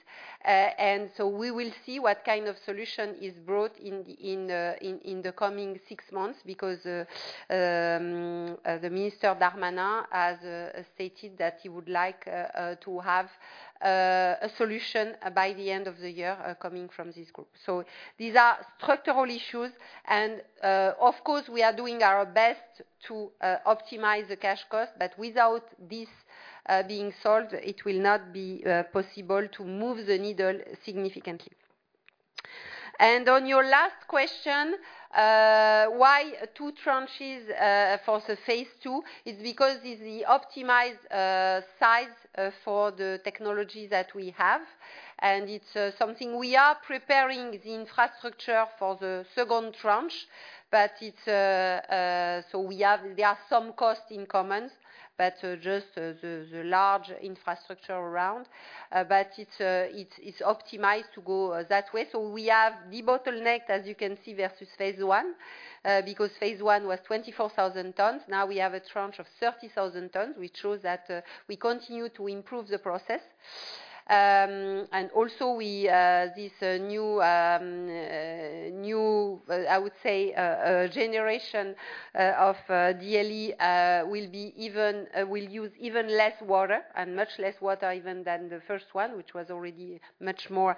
We will see what kind of solution is brought in the coming six months, because the Minister Darmanin has stated that he would like to have a solution by the end of the year coming from this group. These are structural issues, and of course, we are doing our best to optimize the cash cost, but without this being solved, it will not be possible to move the needle significantly. On your last question, why two tranches for the phase II? It's because it's the optimized size for the technology that we have, and it's something we are preparing the infrastructure for the second tranche, but there are some costs in common, but just the, large infrastructure around. It's optimized to go that way. We have debottlenecked, as you can see, versus phase I, because phase I was 24,000 tons. Now we have a tranche of 30,000 tons, which shows that we continue to improve the process. Also we this new I would say generation of DLE will use even less water and much less water even than the first one, which was already much more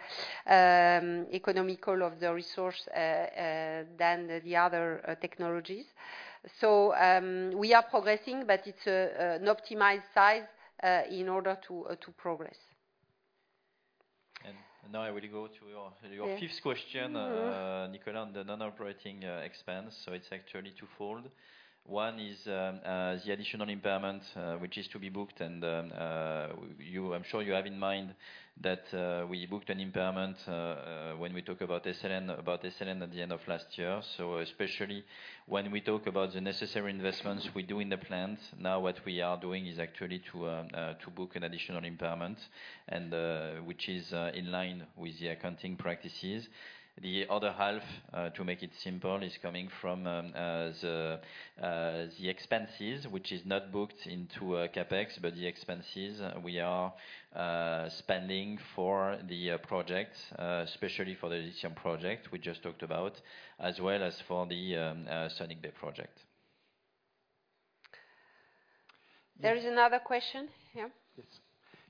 economical of the resource than the other technologies. We are progressing, but it's an optimized size in order to progress. Now I will go to. Yes. Your fifth question, Nicolas, the non-operating expense. It's actually twofold. One is the additional impairment which is to be booked, and I'm sure you have in mind that we booked an impairment when we talk about SLN at the end of last year. Especially when we talk about the necessary investments we do in the plant, now what we are doing is actually to book an additional impairment, and which is in line with the accounting practices. The other half, to make it simple, is coming from the expenses, which is not booked into CapEx, but the expenses we are spending for the project, especially for the lithium project we just talked about, as well as for the [signing] project. There is another question? Yeah. Yes.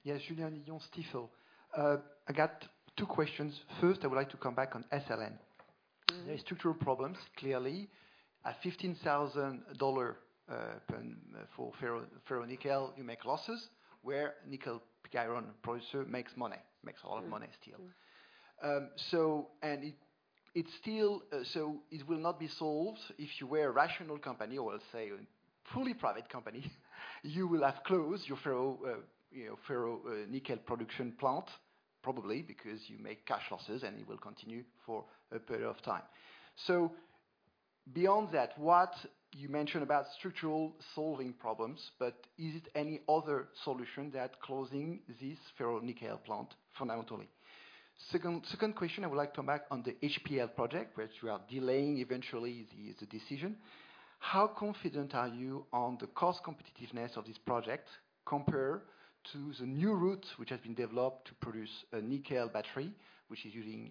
Yes, [Julian Stifel]. I got two questions. First, I would like to come back on SLN. Mm-hmm. There are structural problems, clearly. At EUR 15,000 per for ferronickel, you make losses, where nickel pig iron producer makes money, makes a lot of money still. Mm-hmm. It's still. It will not be solved. If you were a rational company, or let's say a fully private company, you will have closed your ferro, you know, ferronickel production plant, probably because you make cash losses, and it will continue for a period of time. Beyond that, what you mentioned about structural solving problems, but is it any other solution than closing this ferronickel plant, fundamentally? Second question, I would like to come back on the HPAL project, which you are delaying eventually, the decision. How confident are you on the cost competitiveness of this project compared to the new route, which has been developed to produce a nickel battery, which is using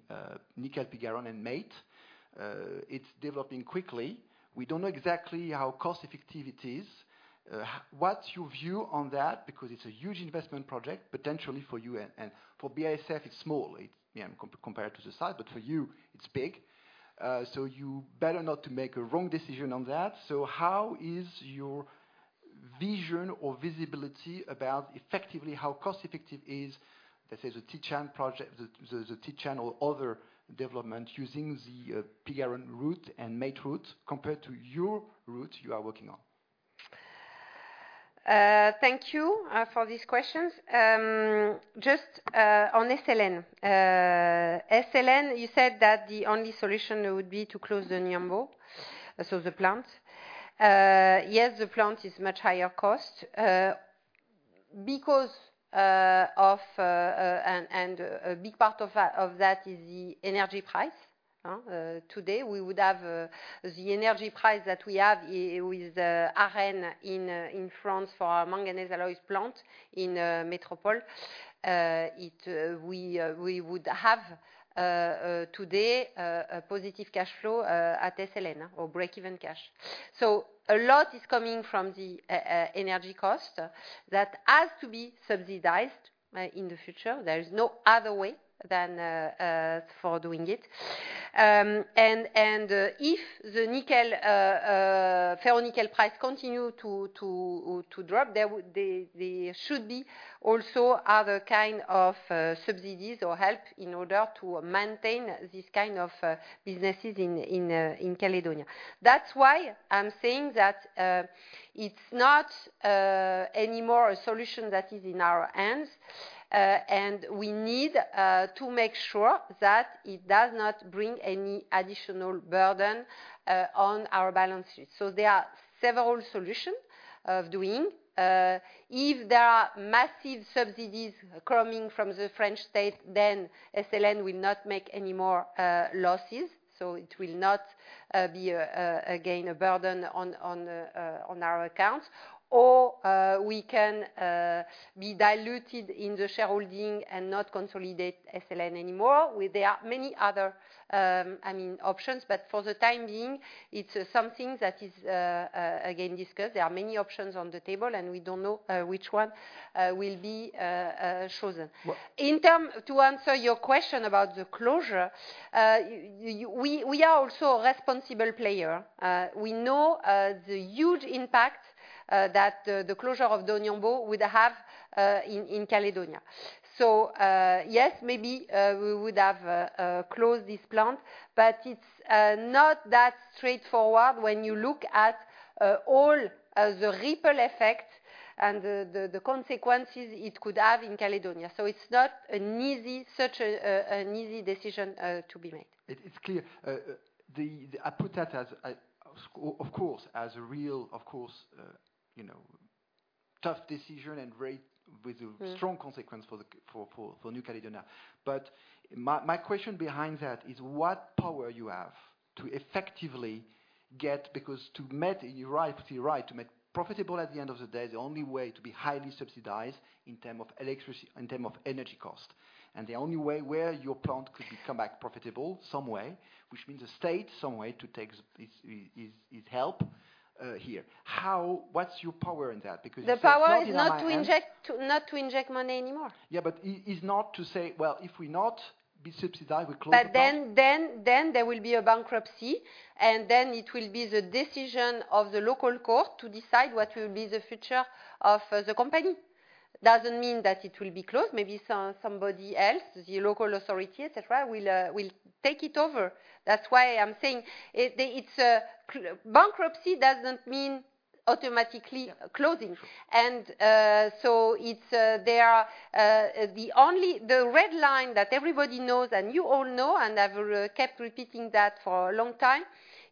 nickel pig iron and matte? It's developing quickly. We don't know exactly how cost effective it is. What's your view on that? It's a huge investment project, potentially for you and for BASF, it's small, it's, yeah, compared to the size, but for you, it's big. You better not to make a wrong decision on that. How is your vision or visibility about effectively how cost effective is, let's say, the Tsingshan project, the Tsingshan or other development using the pig iron route and matte route compared to your route you are working on? Thank you for these questions. Just on SLN. SLN, you said that the only solution would be to close the Doniambo, so the plant. Yes, the plant is much higher cost because of and a big part of that is the energy price. Today, we would have the energy price that we have with ARENH in France for our manganese alloys plant in Metropole. It, we would have today a positive cash flow at SLN or break-even cash. A lot is coming from the energy cost that has to be subsidized in the future. There is no other way than for doing it. If the nickel ferronickel price continue to drop, there should be also other kind of subsidies or help in order to maintain this kind of businesses in Caledonia. That's why I'm saying that it's not anymore a solution that is in our hands. We need to make sure that it does not bring any additional burden on our balance sheet. There are several solutions of doing. If there are massive subsidies coming from the French state, then SLN will not make any more losses, so it will not be again a burden on our accounts. We can be diluted in the shareholding and not consolidate SLN anymore. There are many other, I mean, options, but for the time being, it's something that is again, discussed. There are many options on the table. We don't know which one will be chosen. Well— To answer your question about the closure, we are also a responsible player. We know the huge impact that the closure of Doniambo would have in Caledonia. Yes, maybe we would have closed this plant, but it's not that straightforward when you look at all the ripple effect and the consequences it could have in Caledonia. It's not such an easy decision to be made. It, it's clear. I put that as, of course, as a real, of course, you know, tough decision. Mm. With a strong consequence for New Caledonia. My question behind that is what power you have to effectively get...? To meet, you're right, you're right. To make profitable at the end of the day, the only way to be highly subsidized in term of electricity, in term of energy cost, and the only way where your plant could become back profitable some way, which means the state, some way to take is help here. How, what's your power in that? The power is not to inject, not to inject money anymore. Yeah, it is not to say: well, if we not be subsidized, we close the plant. There will be a bankruptcy, and it will be the decision of the local court to decide what will be the future of the company. Doesn't mean that it will be closed. Maybe somebody else, the local authority, et cetera, will take it over. That's why I'm saying its bankruptcy doesn't mean automatically closing. So it's there are the red line that everybody knows and you all know, and I've kept repeating that for a long time,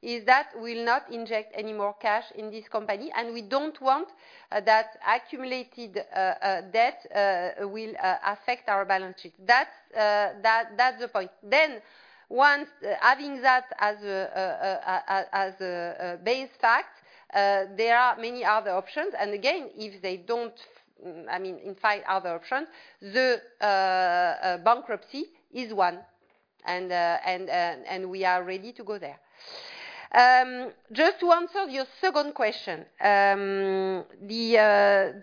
is that we will not inject any more cash in this company, and we don't want that accumulated debt will affect our balance sheet. That's the point. Once adding that as a base fact, there are many other options. Again, if they don't, I mean, in fact, other options, the bankruptcy is one, and, and we are ready to go there. Just to answer your second question. The,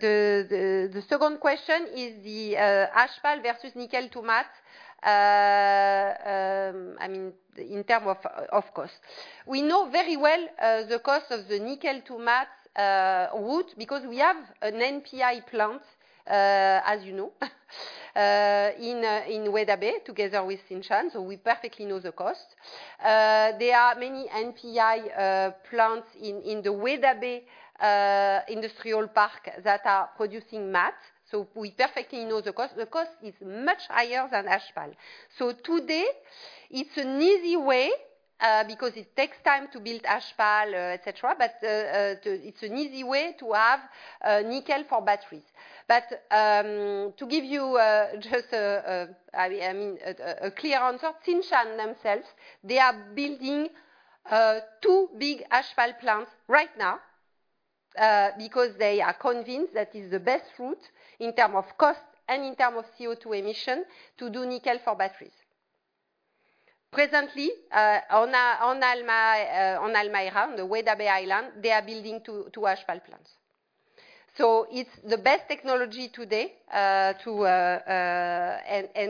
the second question is the HPAL versus nickel matte. I mean, in terms of course, we know very well the cost of the nickel matte route, because we have an NPI plant, as you know, in Weda Bay, together with Tsingshan, so we perfectly know the cost. There are many NPI plants in the Weda Bay industrial park that are producing matte, so we perfectly know the cost. The cost is much higher than HPAL. Today, it's an easy way, because it takes time to build HPAL, et cetera, but. It's an easy way to have nickel for batteries. To give you, I mean, a clear answer, Tsingshan themselves, they are building two big HPAL plants right now, because they are convinced that is the best route in term of cost and in term of CO2 emission to do nickel for batteries. Presently, on Halmahera, on Weda Bay, they are building two HPAL plants. It's the best technology today to...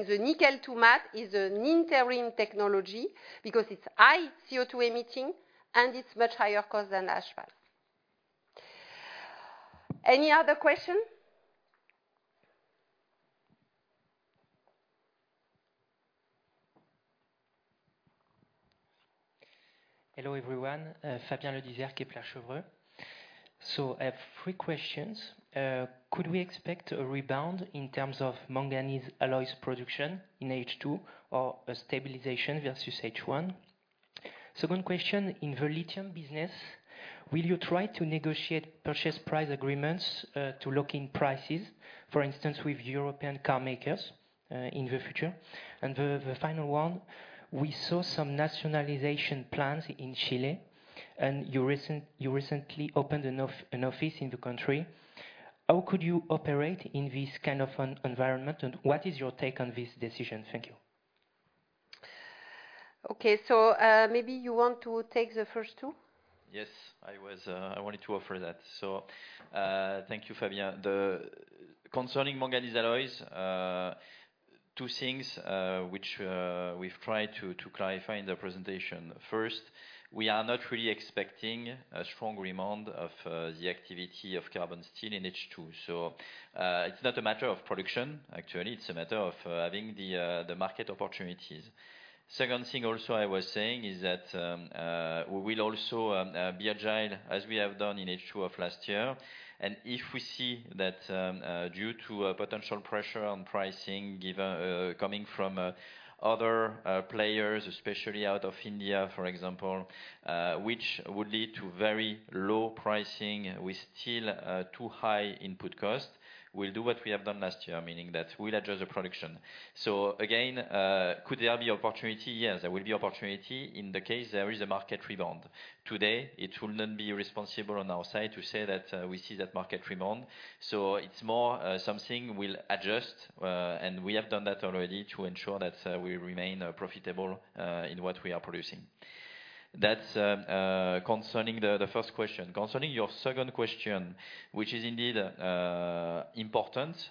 The nickel matte is an interim technology because it's high CO2 emitting, and it's much higher cost than HPAL. Any other question? Hello, everyone. Fabian [Ledizier, Kepler Cheuvreux]. I have three questions. Could we expect a rebound in terms of manganese alloys production in H2 or a stabilization versus H1? Second question, in the lithium business, will you try to negotiate purchase price agreements to lock in prices, for instance, with European car makers in the future? The final one, we saw some nationalization plans in Chile, and you recently opened an office in the country. How could you operate in this kind of an environment, and what is your take on this decision? Thank you. Okay. maybe you want to take the first two? Yes, I wanted to offer that. Thank you, Fabian. The concerning manganese alloys, two things which we've tried to clarify in the presentation. First, we are not really expecting a strong demand of the activity of carbon steel in H2. It's not a matter of production, actually, it's a matter of having the market opportunities. Second thing also I was saying, is that we will also be agile, as we have done in H2 of last year. If we see that due to a potential pressure on pricing, given coming from other players, especially out of India, for example, which would lead to very low pricing with still too high input cost, we'll do what we have done last year, meaning that we'll adjust the production. Again, could there be opportunity? Yes, there will be opportunity in the case there is a market rebound. Today, it will not be responsible on our side to say that we see that market rebound, so it's more something we'll adjust. And we have done that already to ensure that we remain profitable in what we are producing. That's concerning the first question. Concerning your second question, which is indeed important.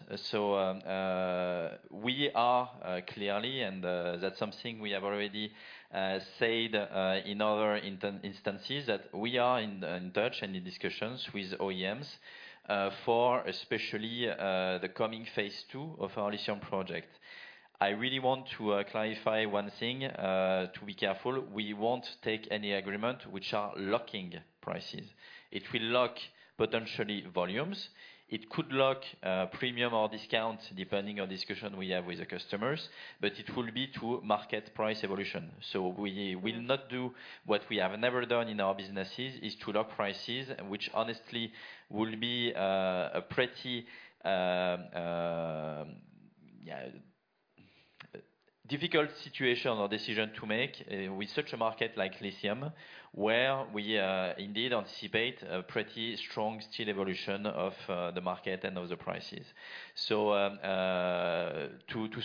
We are clearly, and that's something we have already said in other instances, that we are in touch and in discussions with OEMs for especially the coming phase II of our lithium project. I really want to clarify one thing, to be careful. We won't take any agreement which are locking prices. It will lock potentially volumes. It could lock premium or discounts, depending on discussion we have with the customers. It will be to market price evolution. We will not do, what we have never done in our businesses, is to lock prices, which honestly will be a pretty, yeah, difficult situation or decision to make with such a market like lithium, where we indeed anticipate a pretty strong, still evolution of the market and of the prices. To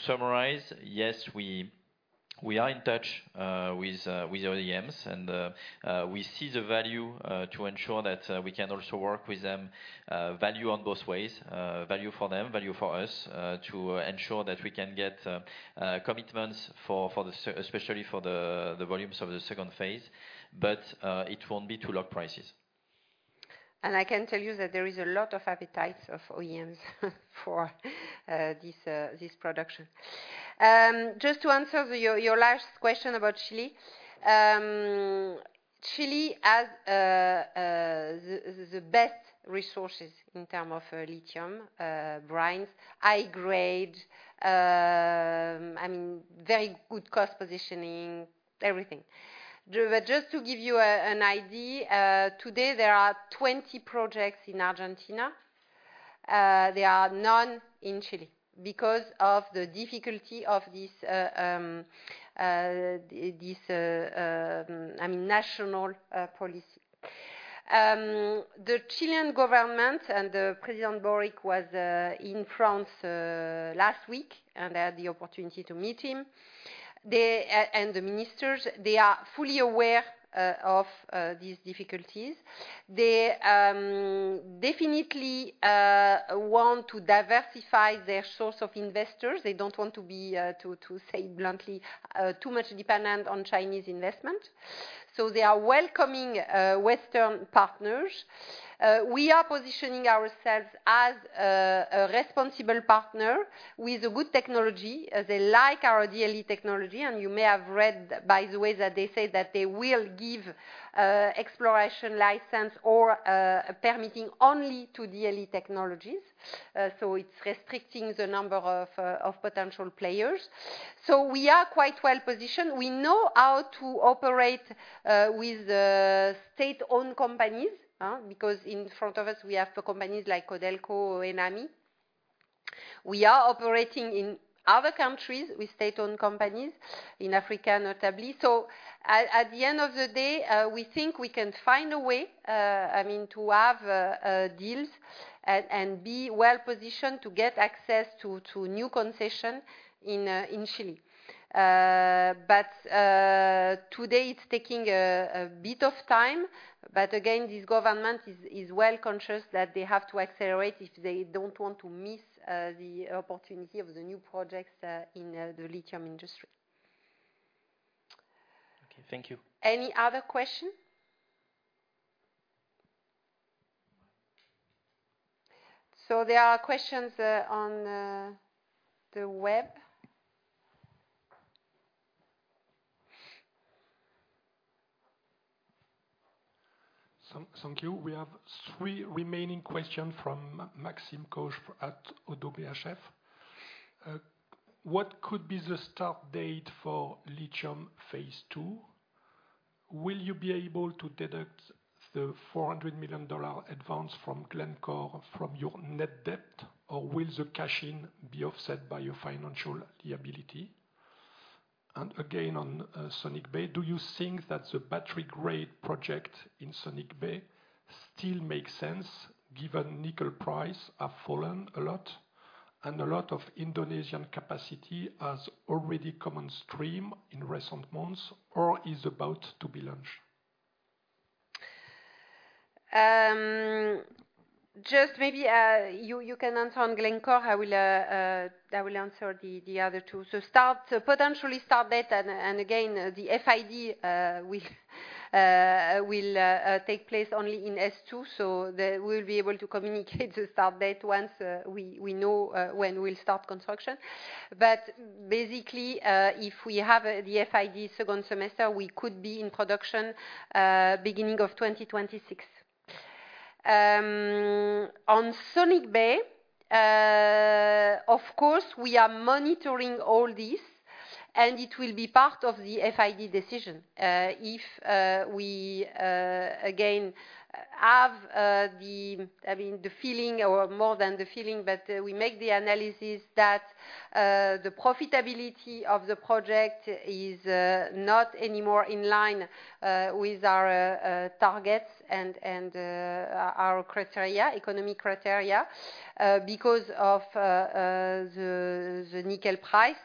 summarize, yes, we are in touch with OEMs and we see the value to ensure that we can also work with them, value on both ways, value for them, value for us, to ensure that we can get commitments for especially for the volumes of the second phase, but it won't be to lock prices. I can tell you that there is a lot of appetite of OEMs for this production. Just to answer your last question about Chile. Chile has the best resources in term of lithium brines, high grade, I mean, very good cost positioning, everything. Just to give you an idea, today there are 20 projects in Argentina. There are none in Chile, because of the difficulty of this, I mean, national policy. The Chilean government and President Boric was in France last week, and I had the opportunity to meet him. They and the ministers are fully aware of these difficulties. They definitely want to diversify their source of investors. They don't want to be to say bluntly too much dependent on Chinese investment. They are welcoming Western partners. We are positioning ourselves as a responsible partner with good technology. They like our DLE technology, and you may have read, by the way, that they say that they will give exploration license or permitting only to DLE technologies. It's restricting the number of potential players. We are quite well positioned. We know how to operate with the state-owned companies, because in front of us we have companies like Codelco and Enami. We are operating in other countries with state-owned companies, in Africa, notably. At the end of the day, we think we can find a way, I mean, to have deals and be well positioned to get access to new concession in Chile. But today it's taking a bit of time, but again, this government is well conscious that they have to accelerate if they don't want to miss the opportunity of the new projects in the lithium industry. Okay, thank you. Any other questions? There are questions on the web. Thank you. We have three remaining questions from Maxime Kogge at ODDO BHF. What could be the start date for lithium phase II? Will you be able to deduct the $400 million advance from Glencore from your net debt, or will the cash-in be offset by your financial liability? Again, on Sonic Bay, do you think that the battery grade project in Sonic Bay still makes sense, given nickel price have fallen a lot, and a lot of Indonesian capacity has already come on stream in recent months or is about to be launched? Just maybe, you can answer on Glencore. I will answer the other two. Potentially start date and again, the FID will take place only in S2, we'll be able to communicate the start date once we know when we'll start construction. Basically, if we have the FID second semester, we could be in production beginning of 2026. On Sonic Bay, of course, we are monitoring all this, and it will be part of the FID decision. More than the feeling, but we make the analysis that the profitability of the project is not anymore in line with our targets and our criteria, economic criteria, because of the nickel price,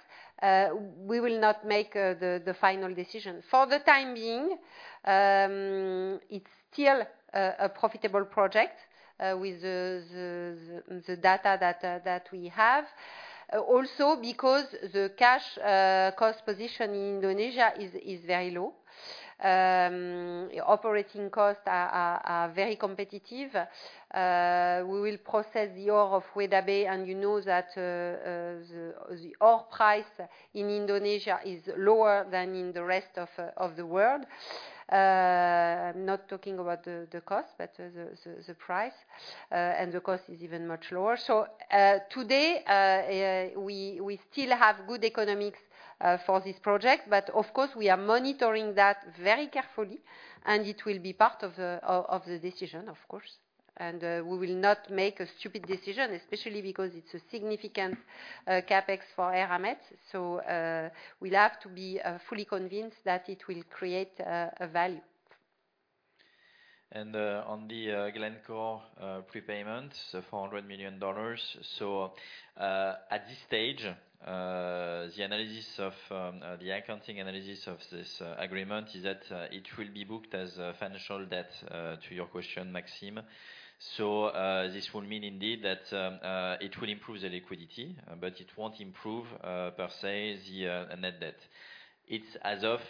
we will not make the final decision. For the time being, it's still a profitable project with the data that we have. Also because the cash cost position in Indonesia is very low. Operating costs are very competitive. We will process the ore of Weda Bay, and you know that the ore price in Indonesia is lower than in the rest of the world. I'm not talking about the cost, but the, the price, and the cost is even much lower. Today, we still have good economics for this project, but of course, we are monitoring that very carefully, and it will be part of the decision, of course. We will not make a stupid decision, especially because it's a significant CapEx for Eramet. We'll have to be fully convinced that it will create a value. On the Glencore prepayment, $400 million. At this stage, the analysis of the accounting analysis of this agreement is that it will be booked as a financial debt, to your question, Maxime. This will mean indeed that it will improve the liquidity, but it won't improve, per se, the net debt. It's as of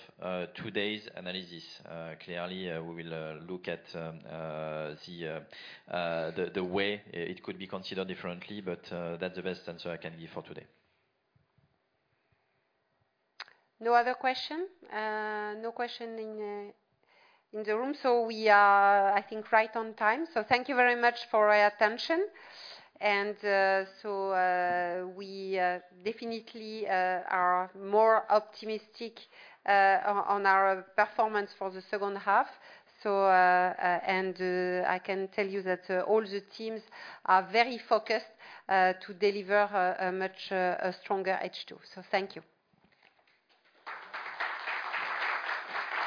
today's analysis. Clearly, we will look at the way it could be considered differently, that's the best answer I can give for today. No other question? No question in the room, so we are, I think, right on time. Thank you very much for your attention. We definitely are more optimistic on our performance for the second half. I can tell you that all the teams are very focused to deliver a much stronger H2. Thank you.